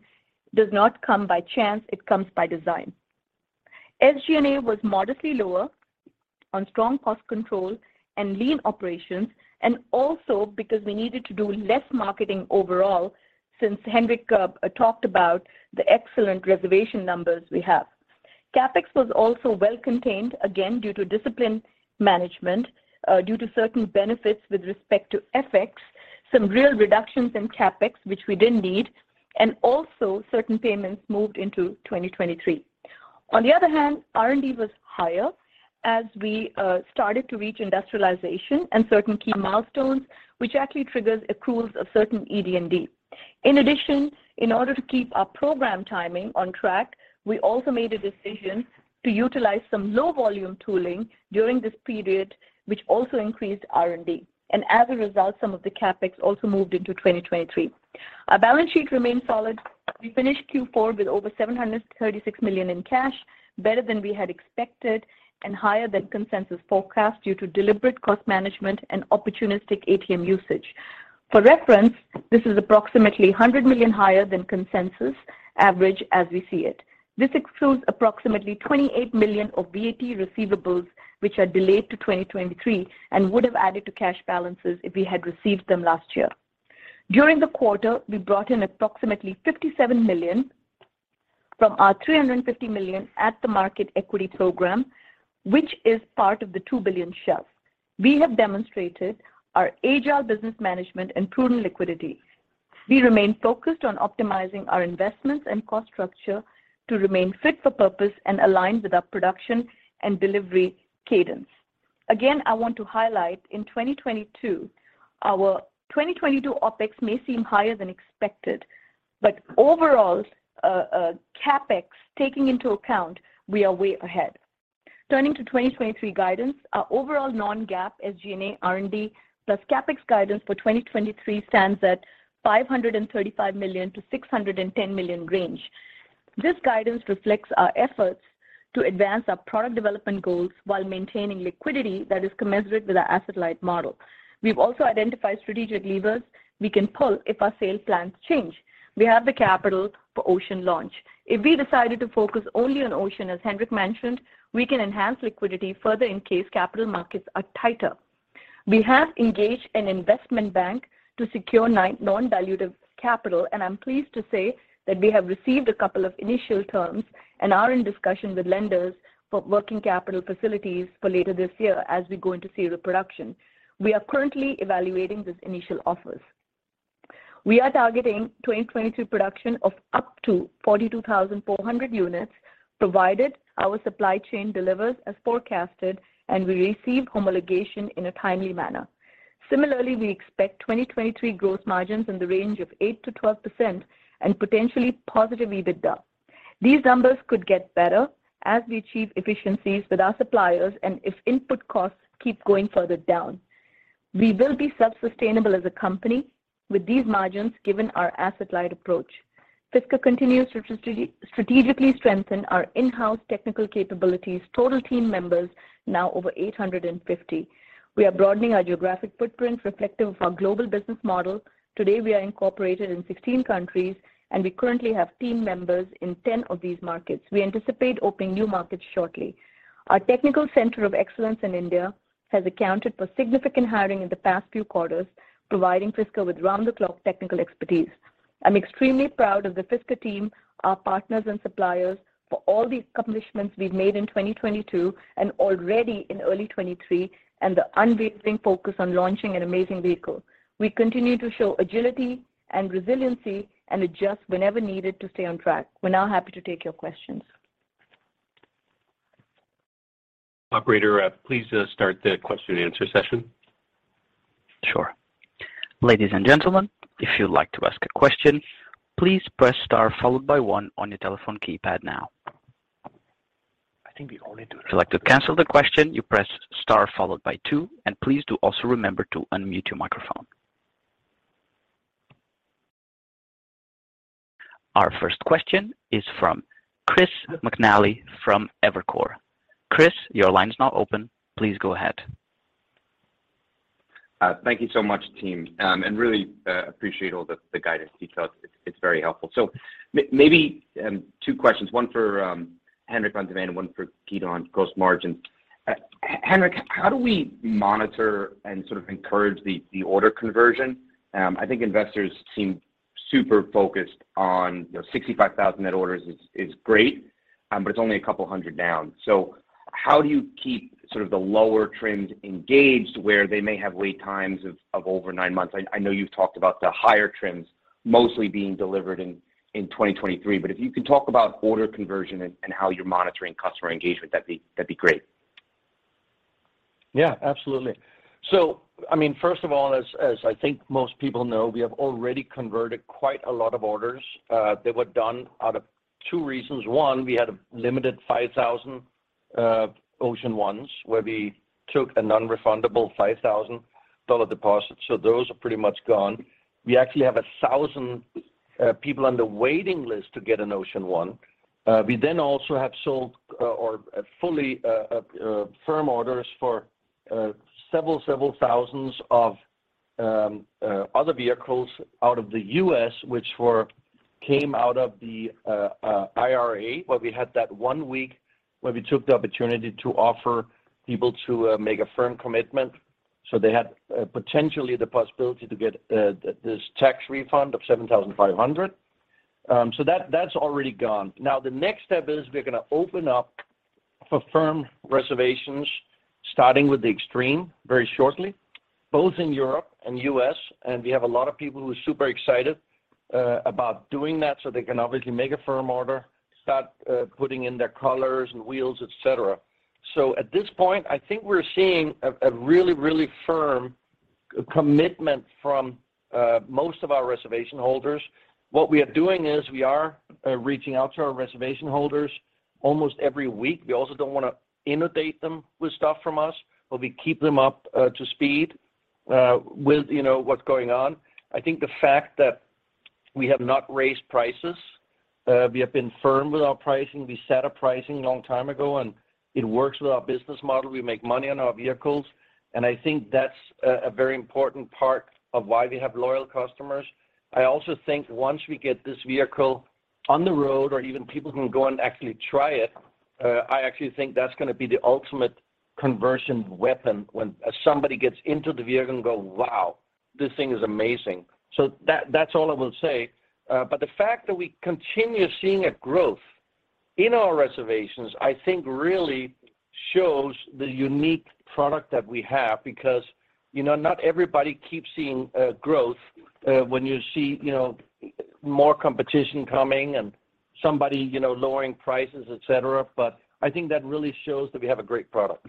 does not come by chance, it comes by design. SG&A was modestly lower on strong cost control and lean operations, and also because we needed to do less marketing overall since Henrik talked about the excellent reservation numbers we have. CapEx was also well contained, again, due to disciplined management, due to certain benefits with respect to FX, some real reductions in CapEx which we didn't need, and also certain payments moved into 2023. On the other hand, R&D was higher as we started to reach industrialization and certain key milestones, which actually triggers accruals of certain ED&D. In addition, in order to keep our program timing on track, we also made a decision to utilize some low-volume tooling during this period, which also increased R&D. As a result, some of the CapEx also moved into 2023. Our balance sheet remained solid. We finished Q4 with over $736 million in cash, better than we had expected and higher than consensus forecast due to deliberate cost management and opportunistic ATM usage. For reference, this is approximately $100 million higher than consensus average as we see it. This excludes approximately $28 million of VAT receivables which are delayed to 2023 and would have added to cash balances if we had received them last year. During the quarter, we brought in approximately $57 million from our $350 million at the market equity program, which is part of the $2 billion shelf. We have demonstrated our agile business management and prudent liquidity. We remain focused on optimizing our investments and cost structure to remain fit for purpose and aligned with our production and delivery cadence. I want to highlight in 2022, our 2022 OpEx may seem higher than expected, but overall, CapEx, taking into account, we are way ahead. Turning to 2023 guidance, our overall non-GAAP SG&A, R&D, plus CapEx guidance for 2023 stands at $535 million-$610 million range. This guidance reflects our efforts to advance our product development goals while maintaining liquidity that is commensurate with our asset-light model. We've also identified strategic levers we can pull if our sales plans change. We have the capital for Ocean launch. If we decided to focus only on Ocean, as Henrik mentioned, we can enhance liquidity further in case capital markets are tighter. We have engaged an investment bank to secure non-dilutive capital. I'm pleased to say that we have received a couple of initial terms and are in discussion with lenders for working capital facilities for later this year as we go into series production. We are currently evaluating these initial offers. We are targeting 2022 production of up to 42,400 units, provided our supply chain delivers as forecasted and we receive homologation in a timely manner. Similarly, we expect 2023 growth margins in the range of 8%-12% and potentially positive EBITDA. These numbers could get better as we achieve efficiencies with our suppliers and if input costs keep going further down. We will be self-sustainable as a company with these margins given our asset-light approach. Fisker continues to strategically strengthen our in-house technical capabilities, total team members now over 850. We are broadening our geographic footprint reflective of our global business model. Today, we are incorporated in 16 countries, and we currently have team members in 10 of these markets. We anticipate opening new markets shortly. Our technical center of excellence in India has accounted for significant hiring in the past few quarters, providing Fisker with round-the-clock technical expertise. I'm extremely proud of the Fisker team, our partners and suppliers for all these accomplishments we've made in 2022 and already in early 2023 and the unwavering focus on launching an amazing vehicle. We continue to show agility and resiliency and adjust whenever needed to stay on track. We're now happy to take your questions. Operator, please start the question answer session. Sure. Ladies and gentlemen, if you'd like to ask a question, please press star followed by one on your telephone keypad now. I think we already do. If you'd like to cancel the question, you press star followed by two. Please do also remember to unmute your microphone. Our first question is from Chris McNally from Evercore. Chris, your line is now open. Please go ahead. Thank you so much, team. Really, appreciate all the guidance you tell us. It's very helpful. Maybe, two questions, one for Henrik on demand and one for Geeta on gross margins. Henrik, how do we monitor and sort of encourage the order conversion? I think investors seem super focused on, you know, 65,000 net orders is great, but it's only a couple hundred down. How do you keep sort of the lower trends engaged where they may have wait times of over nine months? I know you've talked about the higher trends mostly being delivered in 2023, but if you can talk about order conversion and how you're monitoring customer engagement, that'd be great. Absolutely. I mean, first of all, as I think most people know, we have already converted quite a lot of orders that were done out of two reasons. One, we had a limited 5,000 Ocean Ones where we took a non-refundable $5,000 deposit. Those are pretty much gone. We actually have 1,000 people on the waiting list to get an Ocean One. We also have sold or fully firm orders for several thousands of other vehicles out of the U.S., which came out of the IRA, where we had that one week where we took the opportunity to offer people to make a firm commitment. They had potentially the possibility to get this tax refund of $7,500. That's already gone. We're gonna open up for firm reservations, starting with the Extreme very shortly, both in Europe and U.S. We have a lot of people who are super excited about doing that, so they can obviously make a firm order, start putting in their colors and wheels, et cetera. I think we're seeing a really, really firm commitment from most of our reservation holders. We are reaching out to our reservation holders almost every week. We also don't wanna inundate them with stuff from us, but we keep them up to speed with, you know, what's going on. We have not raised prices, we have been firm with our pricing. We set a pricing a long time ago. It works with our business model. We make money on our vehicles. I think that's a very important part of why we have loyal customers. I also think once we get this vehicle on the road or even people can go and actually try it, I actually think that's gonna be the ultimate conversion weapon when somebody gets into the vehicle and go, "Wow, this thing is amazing." That's all I will say. The fact that we continue seeing a growth in our reservations, I think really shows the unique product that we have because, you know, not everybody keeps seeing growth when you see, you know, more competition coming and somebody, you know, lowering prices, et cetera. I think that really shows that we have a great product.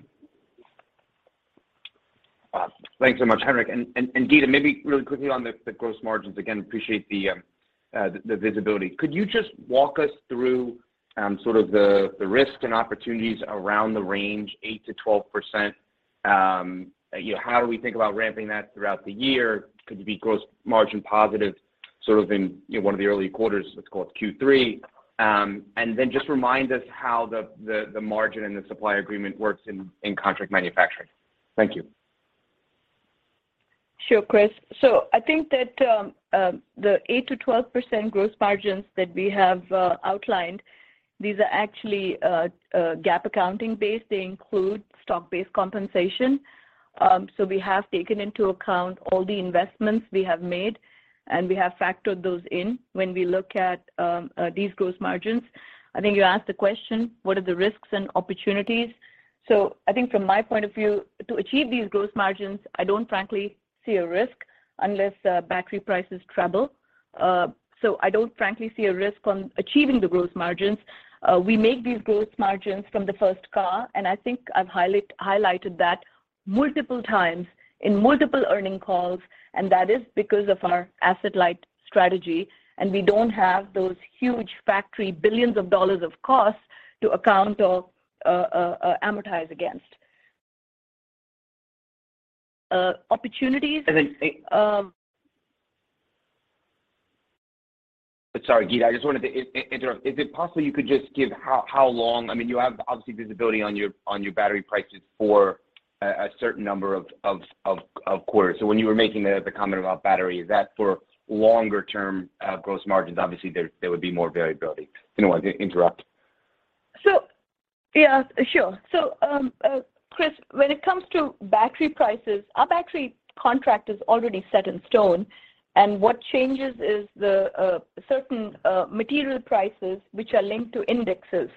Awesome. Thanks so much, Henrik. Geeta, maybe really quickly on the gross margins. Again, appreciate the visibility. Could you just walk us through sort of the risks and opportunities around the range 8%-12%? You know, how do we think about ramping that throughout the year? Could it be gross margin positive sort of in, you know, one of the early quarters, let's call it Q3? Just remind us how the margin and the supply agreement works in contract manufacturing. Thank you. Sure, Chris. I think that the 8%-12% gross margins that we have outlined, these are actually GAAP accounting based. They include stock-based compensation. We have taken into account all the investments we have made, and we have factored those in when we look at these gross margins. I think you asked the question, what are the risks and opportunities? I think from my point of view, to achieve these gross margins, I don't frankly see a risk unless battery prices treble. I don't frankly see a risk on achieving the gross margins. We make these gross margins from the first car, and I think I've highlighted that multiple times in multiple earnings calls, and that is because of our asset-light strategy, and we don't have those huge factory billions of dollars of costs to account or amortize against. Opportunities, Sorry, Geeta, I just wanted to interrupt. Is it possible you could just give how long? I mean, you have obviously visibility on your battery prices for a certain number of quarters. When you were making the comment about battery, is that for longer-term gross margins? Obviously, there would be more variability. Anyway, interrupt. Yeah, sure. Chris, when it comes to battery prices, our battery contract is already set in stone, and what changes is the certain material prices, which are linked to indexes,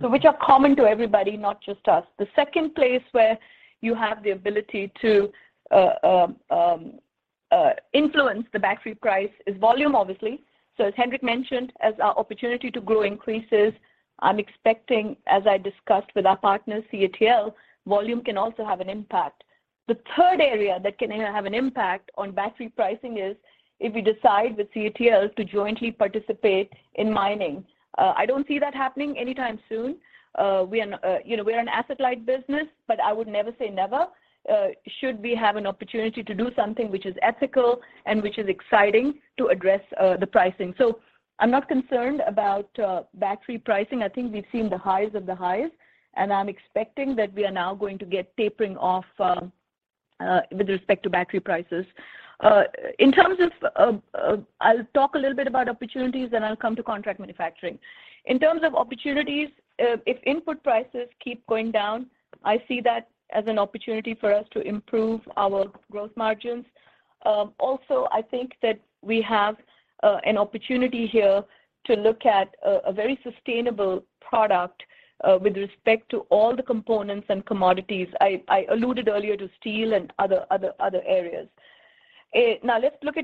which are common to everybody, not just us. The second place where you have the ability to influence the battery price is volume, obviously. As Henrik mentioned, as our opportunity to grow increases, I'm expecting, as I discussed with our partners, CATL, volume can also have an impact. The third area that can have an impact on battery pricing is if we decide with CATL to jointly participate in mining. I don't see that happening anytime soon. We are an, you know, we are an asset-light business, but I would never say never, should we have an opportunity to do something which is ethical and which is exciting to address the pricing. I'm not concerned about battery pricing. I think we've seen the highs of the highs, and I'm expecting that we are now going to get tapering off with respect to battery prices. I'll talk a little bit about opportunities, then I'll come to contract manufacturing. In terms of opportunities, if input prices keep going down, I see that as an opportunity for us to improve our growth margins. I think that we have an opportunity here to look at a very sustainable product with respect to all the components and commodities. I alluded earlier to steel and other areas. Now let's look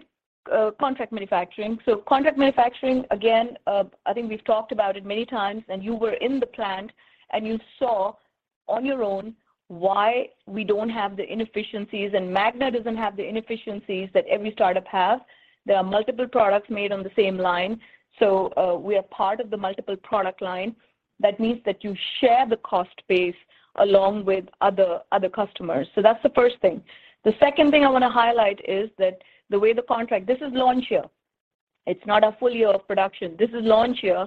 at contract manufacturing. Contract manufacturing, again, I think we've talked about it many times, and you were in the plant, and you saw on your own why we don't have the inefficiencies and Magna doesn't have the inefficiencies that every startup has. There are multiple products made on the same line, we are part of the multiple product line. That means that you share the cost base along with other customers. That's the first thing. The second thing I wanna highlight is that this is launch year. It's not a full year of production. This is launch year,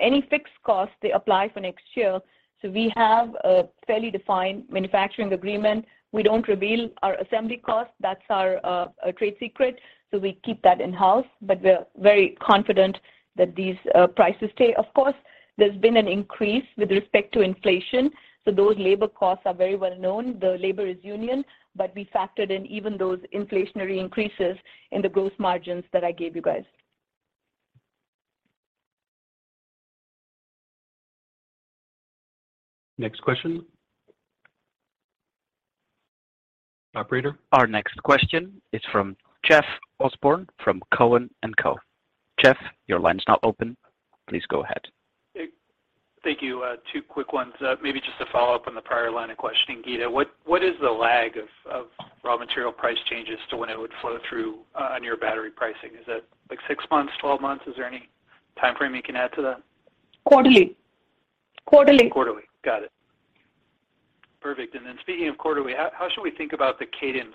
any fixed costs, they apply for next year. We have a fairly defined manufacturing agreement. We don't reveal our assembly costs. That's our trade secret, so we keep that in-house, but we're very confident that these prices stay. Of course, there's been an increase with respect to inflation, so those labor costs are very well known. The labor is union, but we factored in even those inflationary increases in the gross margins that I gave you guys. Next question. Operator? Our next question is from Jeff Osborne from Cowen and Company. Jeff, your line's now open. Please go ahead. Thank you. Two quick ones. Maybe just to follow up on the prior line of questioning. Geeta, what is the lag of raw material price changes to when it would flow through on your battery pricing? Is that, like, six months, 12 months? Is there any timeframe you can add to that? Quarterly. Quarterly. Quarterly. Got it. Perfect. Speaking of quarterly, how should we think about the cadence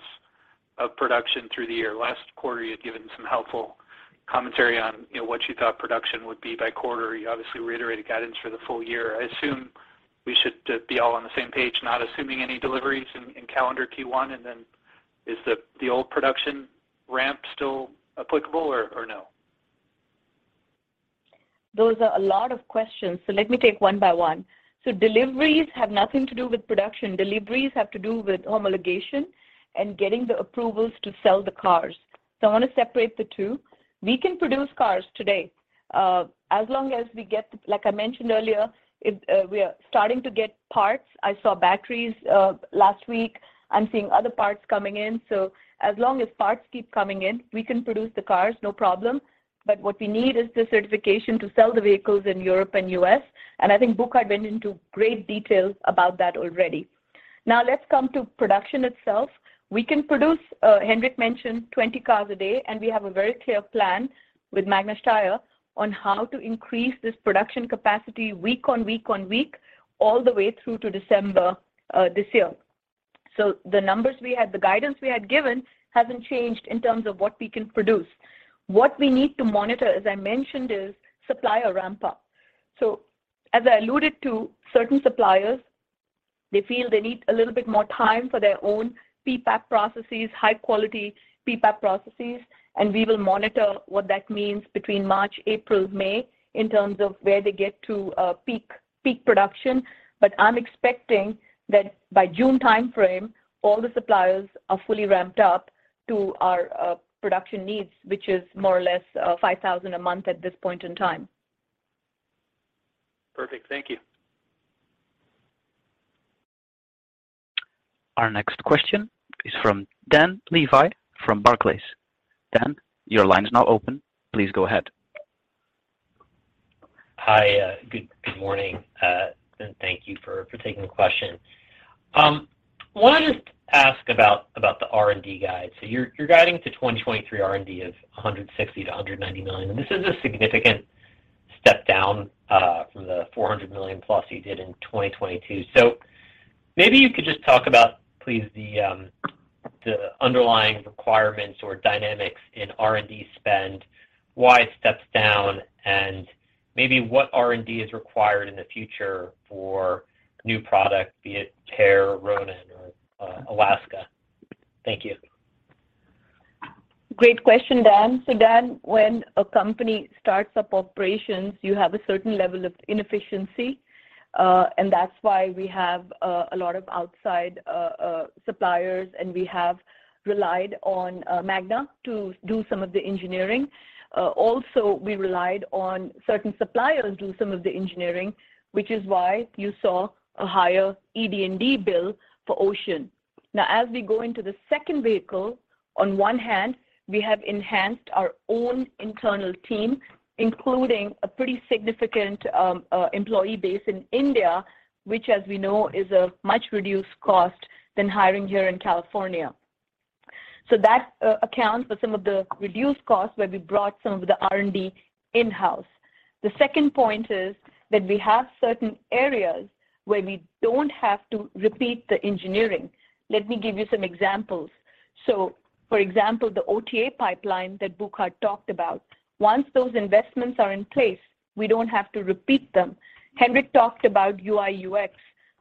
of production through the year? Last quarter, you had given some helpful commentary on, you know, what you thought production would be by quarter. You obviously reiterated guidance for the full year. I assume we should be all on the same page, not assuming any deliveries in calendar Q1. Is the old production ramp still applicable or no? Those are a lot of questions, let me take one by one. Deliveries have nothing to do with production. Deliveries have to do with homologation and getting the approvals to sell the cars. I want to separate the two. We can produce cars today. Like I mentioned earlier, we are starting to get parts. I saw batteries last week. I'm seeing other parts coming in. As long as parts keep coming in, we can produce the cars, no problem. What we need is the certification to sell the vehicles in Europe and U.S., and I think Buchert went into great detail about that already. Let's come to production itself. We can produce, Henrik mentioned, 20 cars a day, and we have a very clear plan with Magna Steyr on how to increase this production capacity week on week on week, all the way through to December this year. The numbers we had, the guidance we had given hasn't changed in terms of what we can produce. What we need to monitor, as I mentioned, is supplier ramp-up. As I alluded to, certain suppliers, they feel they need a little bit more time for their own PPAP processes, high-quality PPAP processes, and we will monitor what that means between March, April, May in terms of where they get to peak production. I'm expecting that by June timeframe, all the suppliers are fully ramped up to our production needs, which is more or less 5,000 a month at this point in time. Perfect. Thank you. Our next question is from Dan Levy from Barclays. Dan, your line is now open. Please go ahead. Hi. Good morning, and thank you for taking the question. Wanted to ask about the R&D guide. You're guiding to 2023 R&D of $160 -190 million. This is a significant step down from the $400 million+ you did in 2022. Maybe you could just talk about, please, the underlying requirements or dynamics in R&D spend, why it steps down, and maybe what R&D is required in the future for new product, be it PEAR, Ronin, or Alaska. Thank you. Great question, Dan. Dan, when a company starts up operations, you have a certain level of inefficiency, and that's why we have a lot of outside suppliers, and we have relied on Magna to do some of the engineering. Also, we relied on certain suppliers to do some of the engineering, which is why you saw a higher ED&D bill for Ocean. As we go into the second vehicle, on one hand, we have enhanced our own internal team, including a pretty significant employee base in India, which as we know is a much reduced cost than hiring here in California. That accounts for some of the reduced costs where we brought some of the R&D in-house. The second point is that we have certain areas where we don't have to repeat the engineering. Let me give you some examples. For example, the OTA pipeline that Burkhard talked about, once those investments are in place, we don't have to repeat them. Henrik talked about UI/UX.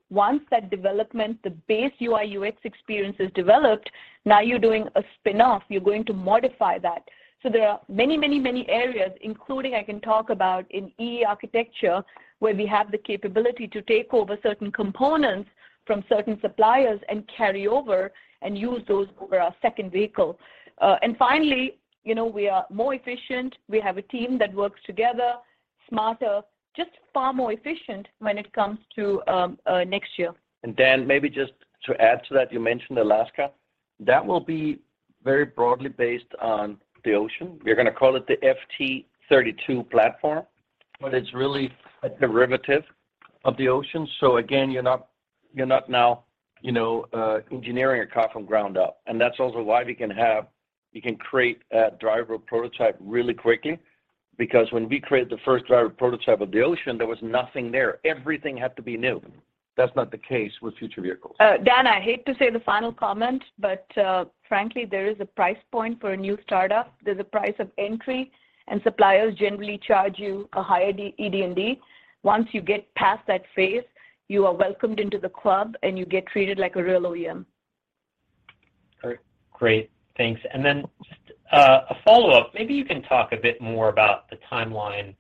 Once that development, the base UI/UX experience is developed, now you're doing a spin-off, you're going to modify that. There are many, many, many areas, including I can talk about in E/E architecture, where we have the capability to take over certain components from certain suppliers and carry over and use those over our second vehicle. Finally, you know, we are more efficient. We have a team that works together, smarter, just far more efficient when it comes to next year. Dan, maybe just to add to that, you mentioned Alaska. That will be very broadly based on the Ocean. We're gonna call it the FT32 platform, but it's really a derivative of the Ocean. again, you're not, you're not now, you know, engineering a car from ground up. that's also why we can create a driver prototype really quickly, because when we created the first driver prototype of the Ocean, there was nothing there. Everything had to be new. That's not the case with future vehicles. Dan, I hate to say the final comment. Frankly, there is a price point for a new startup. There's a price of entry. Suppliers generally charge you a higher ED&D. Once you get past that phase, you are welcomed into the club, you get treated like a real OEM. Great. Thanks. Just a follow-up, maybe you can talk a bit more about the timeline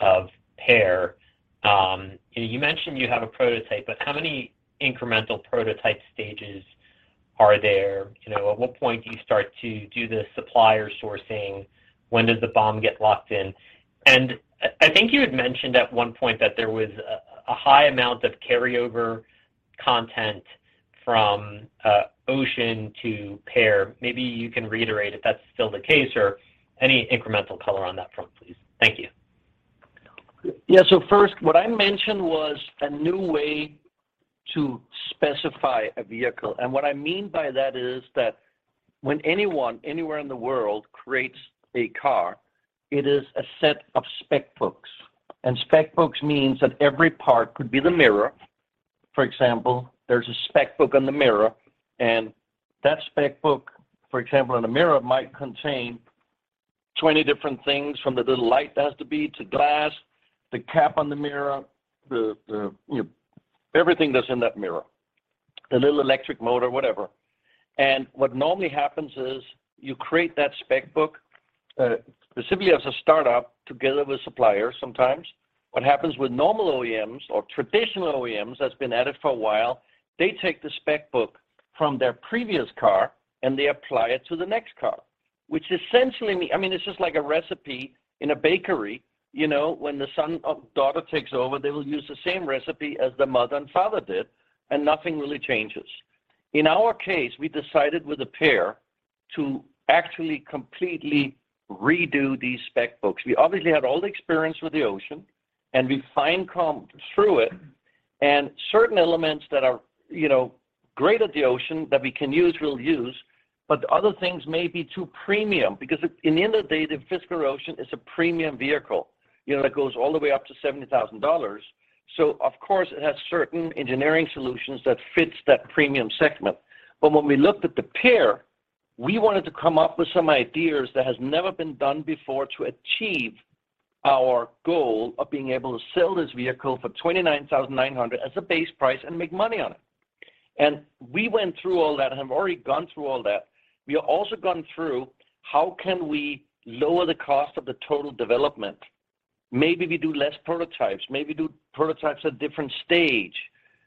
of PEAR. You know, you mentioned you have a prototype, but how many incremental prototype stages are there? You know, at what point do you start to do the supplier sourcing? When does the BOM get locked in? I think you had mentioned at one point that there was a high amount of carryover content from Ocean to PEAR. Maybe you can reiterate if that's still the case or any incremental color on that front, please. Thank you. First, what I mentioned was a new way to specify a vehicle. What I mean by that is that when anyone, anywhere in the world creates a car, it is a set of spec books. Spec books means that every part could be the mirror, for example. There's a spec book on the mirror, and that spec book, for example, on the mirror, might contain 20 different things from the little light it has to be to glass, the cap on the mirror, you know, everything that's in that mirror, the little electric motor, whatever. What normally happens is you create that spec book specifically as a startup together with suppliers sometimes. What happens with normal OEMs or traditional OEMs that's been at it for a while, they take the spec book from their previous car, and they apply it to the next car, which essentially I mean, it's just like a recipe in a bakery, you know, when the son or daughter takes over, they will use the same recipe as the mother and father did, and nothing really changes. In our case, we decided with the PEAR to actually completely redo these spec books. We obviously had all the experience with the Ocean, and we fine-combed through it, and certain elements that are, you know, great at the Ocean that we can use, we'll use, but other things may be too premium because at the end of the day, the Fisker Ocean is a premium vehicle, you know, that goes all the way up to $70,000. Of course, it has certain engineering solutions that fits that premium segment. When we looked at the PEAR, we wanted to come up with some ideas that has never been done before to achieve our goal of being able to sell this vehicle for $29,900 as a base price and make money on it. We went through all that and have already gone through all that. We have also gone through how can we lower the cost of the total development. Maybe we do less prototypes, maybe do prototypes at different stage.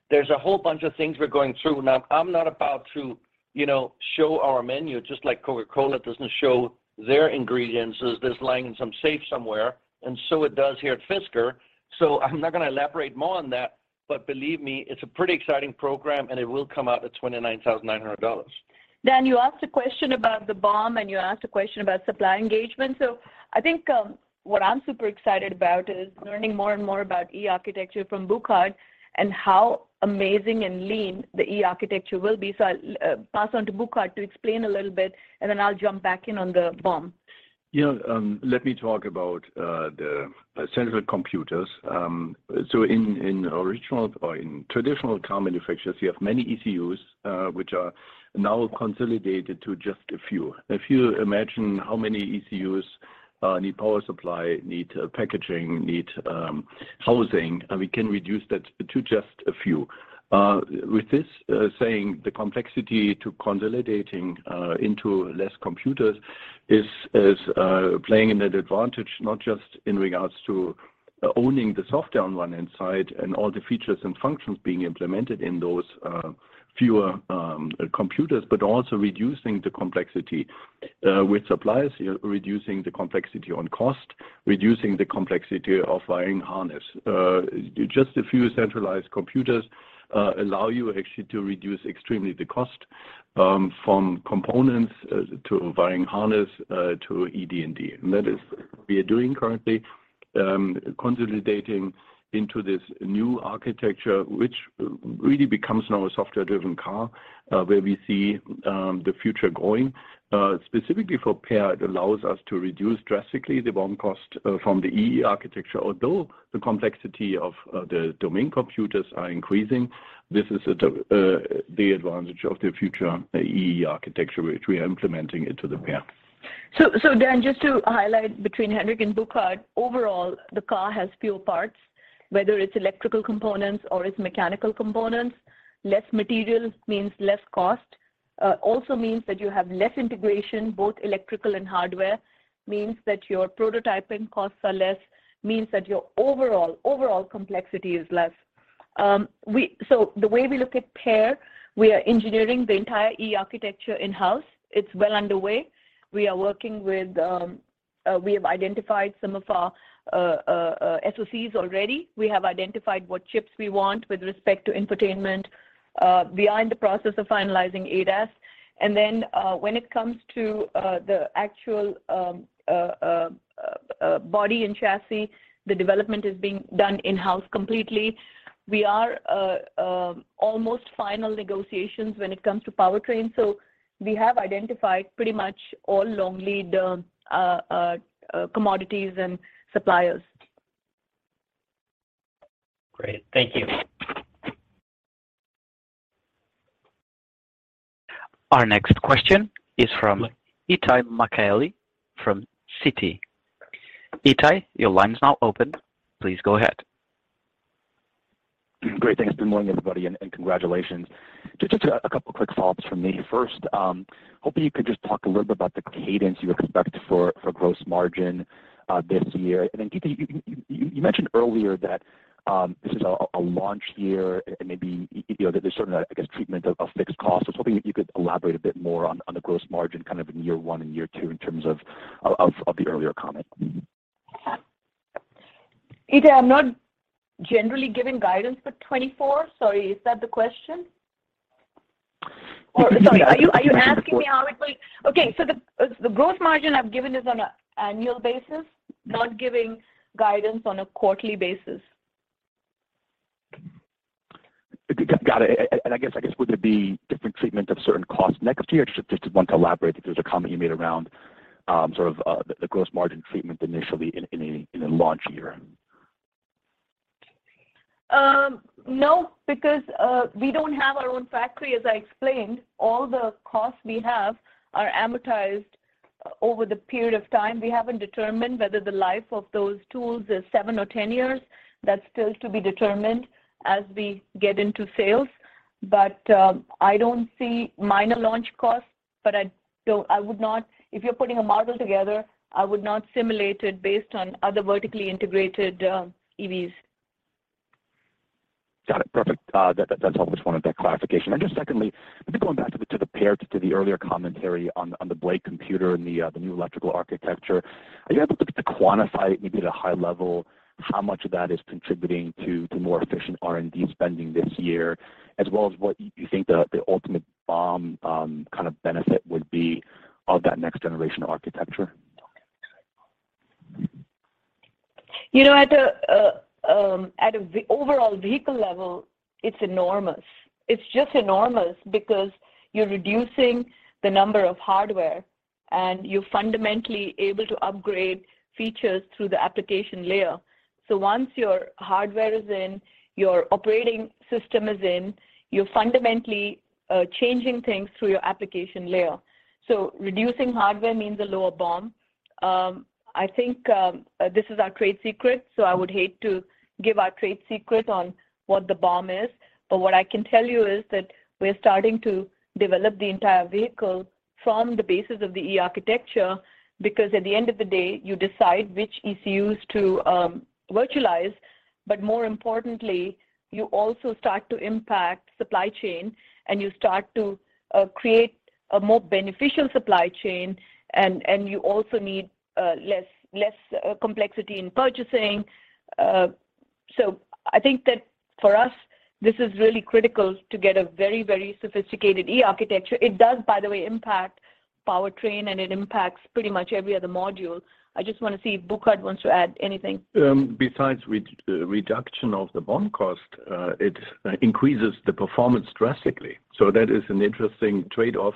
There's a whole bunch of things we're going through. I'm not about to, you know, show our menu just like Coca-Cola doesn't show their ingredients as they're lying in some safe somewhere, and so it does here at Fisker. I'm not gonna elaborate more on that, but believe me, it's a pretty exciting program, and it will come out at $29,900. Dan, you asked a question about the BOM, and you asked a question about supply engagement. I think what I'm super excited about is learning more and more about E-architecture from Burkhard and how amazing and lean the E-architecture will be. I'll pass on to Burkhard to explain a little bit, and then I'll jump back in on the BOM. Let me talk about the central computers. In traditional car manufacturers, you have many ECUs, which are now consolidated to just a few. If you imagine how many ECUs need power supply, need packaging, need housing, and we can reduce that to just a few. With this, saying the complexity to consolidating into less computers is playing in that advantage, not just in regards to owning the software on one end side and all the features and functions being implemented in those fewer computers, but also reducing the complexity with suppliers, reducing the complexity on cost, reducing the complexity of wiring harness. Just a few centralized computers allow you actually to reduce extremely the cost from components to wiring harness to ED&D. That is we are doing currently, consolidating into this new architecture, which really becomes now a software-driven car, where we see the future going. Specifically for PEAR, it allows us to reduce drastically the BOM cost from the E/E architecture. The complexity of the domain computers are increasing, this is the advantage of the future E/E architecture, which we are implementing into the PEAR. Dan, just to highlight between Henrik and Burkhard, overall, the car has fewer parts, whether it's electrical components or it's mechanical components. Less material means less cost. Also means that you have less integration, both electrical and hardware. Means that your prototyping costs are less. Means that your overall complexity is less. The way we look at PEAR, we are engineering the entire E/E architecture in-house. It's well underway. We have identified some of our SoCs already. We have identified what chips we want with respect to infotainment, behind the process of finalizing ADAS. When it comes to the actual body and chassis, the development is being done in-house completely. We are almost final negotiations when it comes to powertrain. We have identified pretty much all long-lead commodities and suppliers. Great. Thank you. Our next question is from Itay Michaeli from Citi. Itay, your line is now open. Please go ahead. Great, thanks. Good morning, everybody, and congratulations. Just a couple of quick thoughts from me. First, hoping you could just talk a little bit about the cadence you expect for gross margin this year. Then Geeta, you mentioned earlier that this is a launch year and maybe there's certain, I guess, treatment of fixed costs. I was hoping you could elaborate a bit more on the gross margin kind of in year one and year two in terms of the earlier comment. Itay, I'm not generally giving guidance for 2024. Sorry, is that the question? The gross margin I've given is on an annual basis, not giving guidance on a quarterly basis. Got it. I guess would there be different treatment of certain costs next year? Just want to elaborate that there's a comment you made around, sort of, the gross margin treatment initially in a launch year. No, because we don't have our own factory, as I explained. All the costs we have are amortized over the period of time. We haven't determined whether the life of those tools is seven or 10 years. That's still to be determined as we get into sales. I don't see minor launch costs, but I would not. If you're putting a model together, I would not simulate it based on other vertically integrated EVs. Got it. Perfect. That's helpful. Just wanted that clarification. Just secondly, I think going back a bit to the PEAR, to the earlier commentary on the Blade Computer and the new electrical architecture, are you able to quantify maybe at a high level how much of that is contributing to more efficient R&D spending this year, as well as what you think the ultimate BOM kind of benefit would be of that next generation architecture? You know, at a overall vehicle level, it's enormous. It's just enormous because you're reducing the number of hardware and you're fundamentally able to upgrade features through the application layer. Once your hardware is in, your operating system is in, you're fundamentally changing things through your application layer. Reducing hardware means a lower BOM. I think, this is our trade secret, so I would hate to give our trade secret on what the BOM is. What I can tell you is that we're starting to develop the entire vehicle from the basis of the E/E architecture, because at the end of the day, you decide which ECUs to virtualize, but more importantly, you also start to impact supply chain, and you start to create a more beneficial supply chain, and you also need less complexity in purchasing. So I think that for us this is really critical to get a very, very sophisticated E/E architecture. It does, by the way, impact powertrain, and it impacts pretty much every other module. I just want to see if Burkhard wants to add anything. Besides with the reduction of the BOM cost, it increases the performance drastically. That is an interesting trade-off.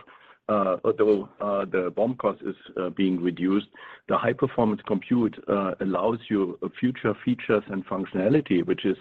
Although the BOM cost is being reduced, the high-performance compute allows you a future features and functionality, which is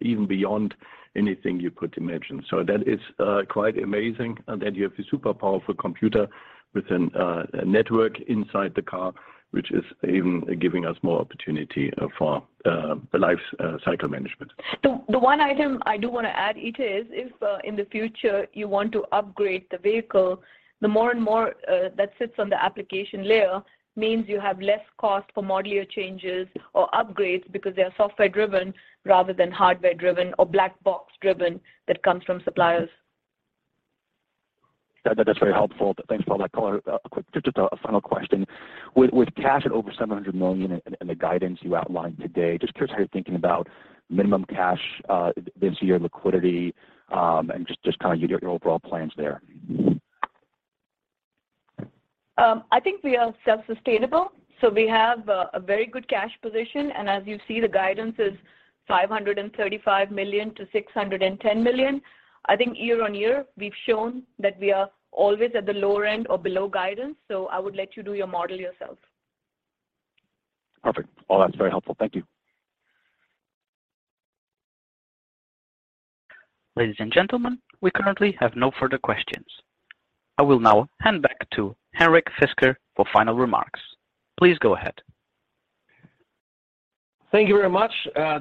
even beyond anything you could imagine. That is quite amazing. You have the super powerful computer within a network inside the car, which is even giving us more opportunity for the life cycle management. The one item I do want to add, it is if in the future you want to upgrade the vehicle, the more and more that sits on the application layer means you have less cost for modular changes or upgrades because they are software driven rather than hardware driven or black box driven that comes from suppliers. That is very helpful. Thanks for that color. A quick. Just a final question. With cash at over $700 million and the guidance you outlined today, just curious how you're thinking about minimum cash, this year liquidity, and just kind of your overall plans there. I think we are self-sustainable, so we have a very good cash position, and as you see, the guidance is $535 million-$610 million. I think year-over-year, we've shown that we are always at the lower end or below guidance. I would let you do your model yourself. Perfect. Well, that's very helpful. Thank you. Ladies and gentlemen, we currently have no further questions. I will now hand back to Henrik Fisker for final remarks. Please go ahead. Thank you very much.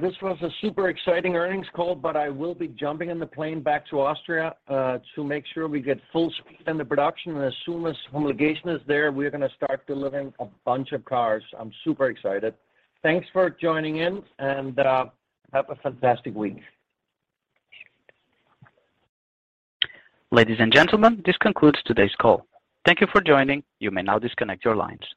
This was a super exciting earnings call, but I will be jumping in the plane back to Austria to make sure we get full speed in the production. As soon as homologation is there, we're going to start delivering a bunch of cars. I'm super excited. Thanks for joining in and have a fantastic week. Ladies and gentlemen, this concludes today's call. Thank you for joining. You may now disconnect your lines.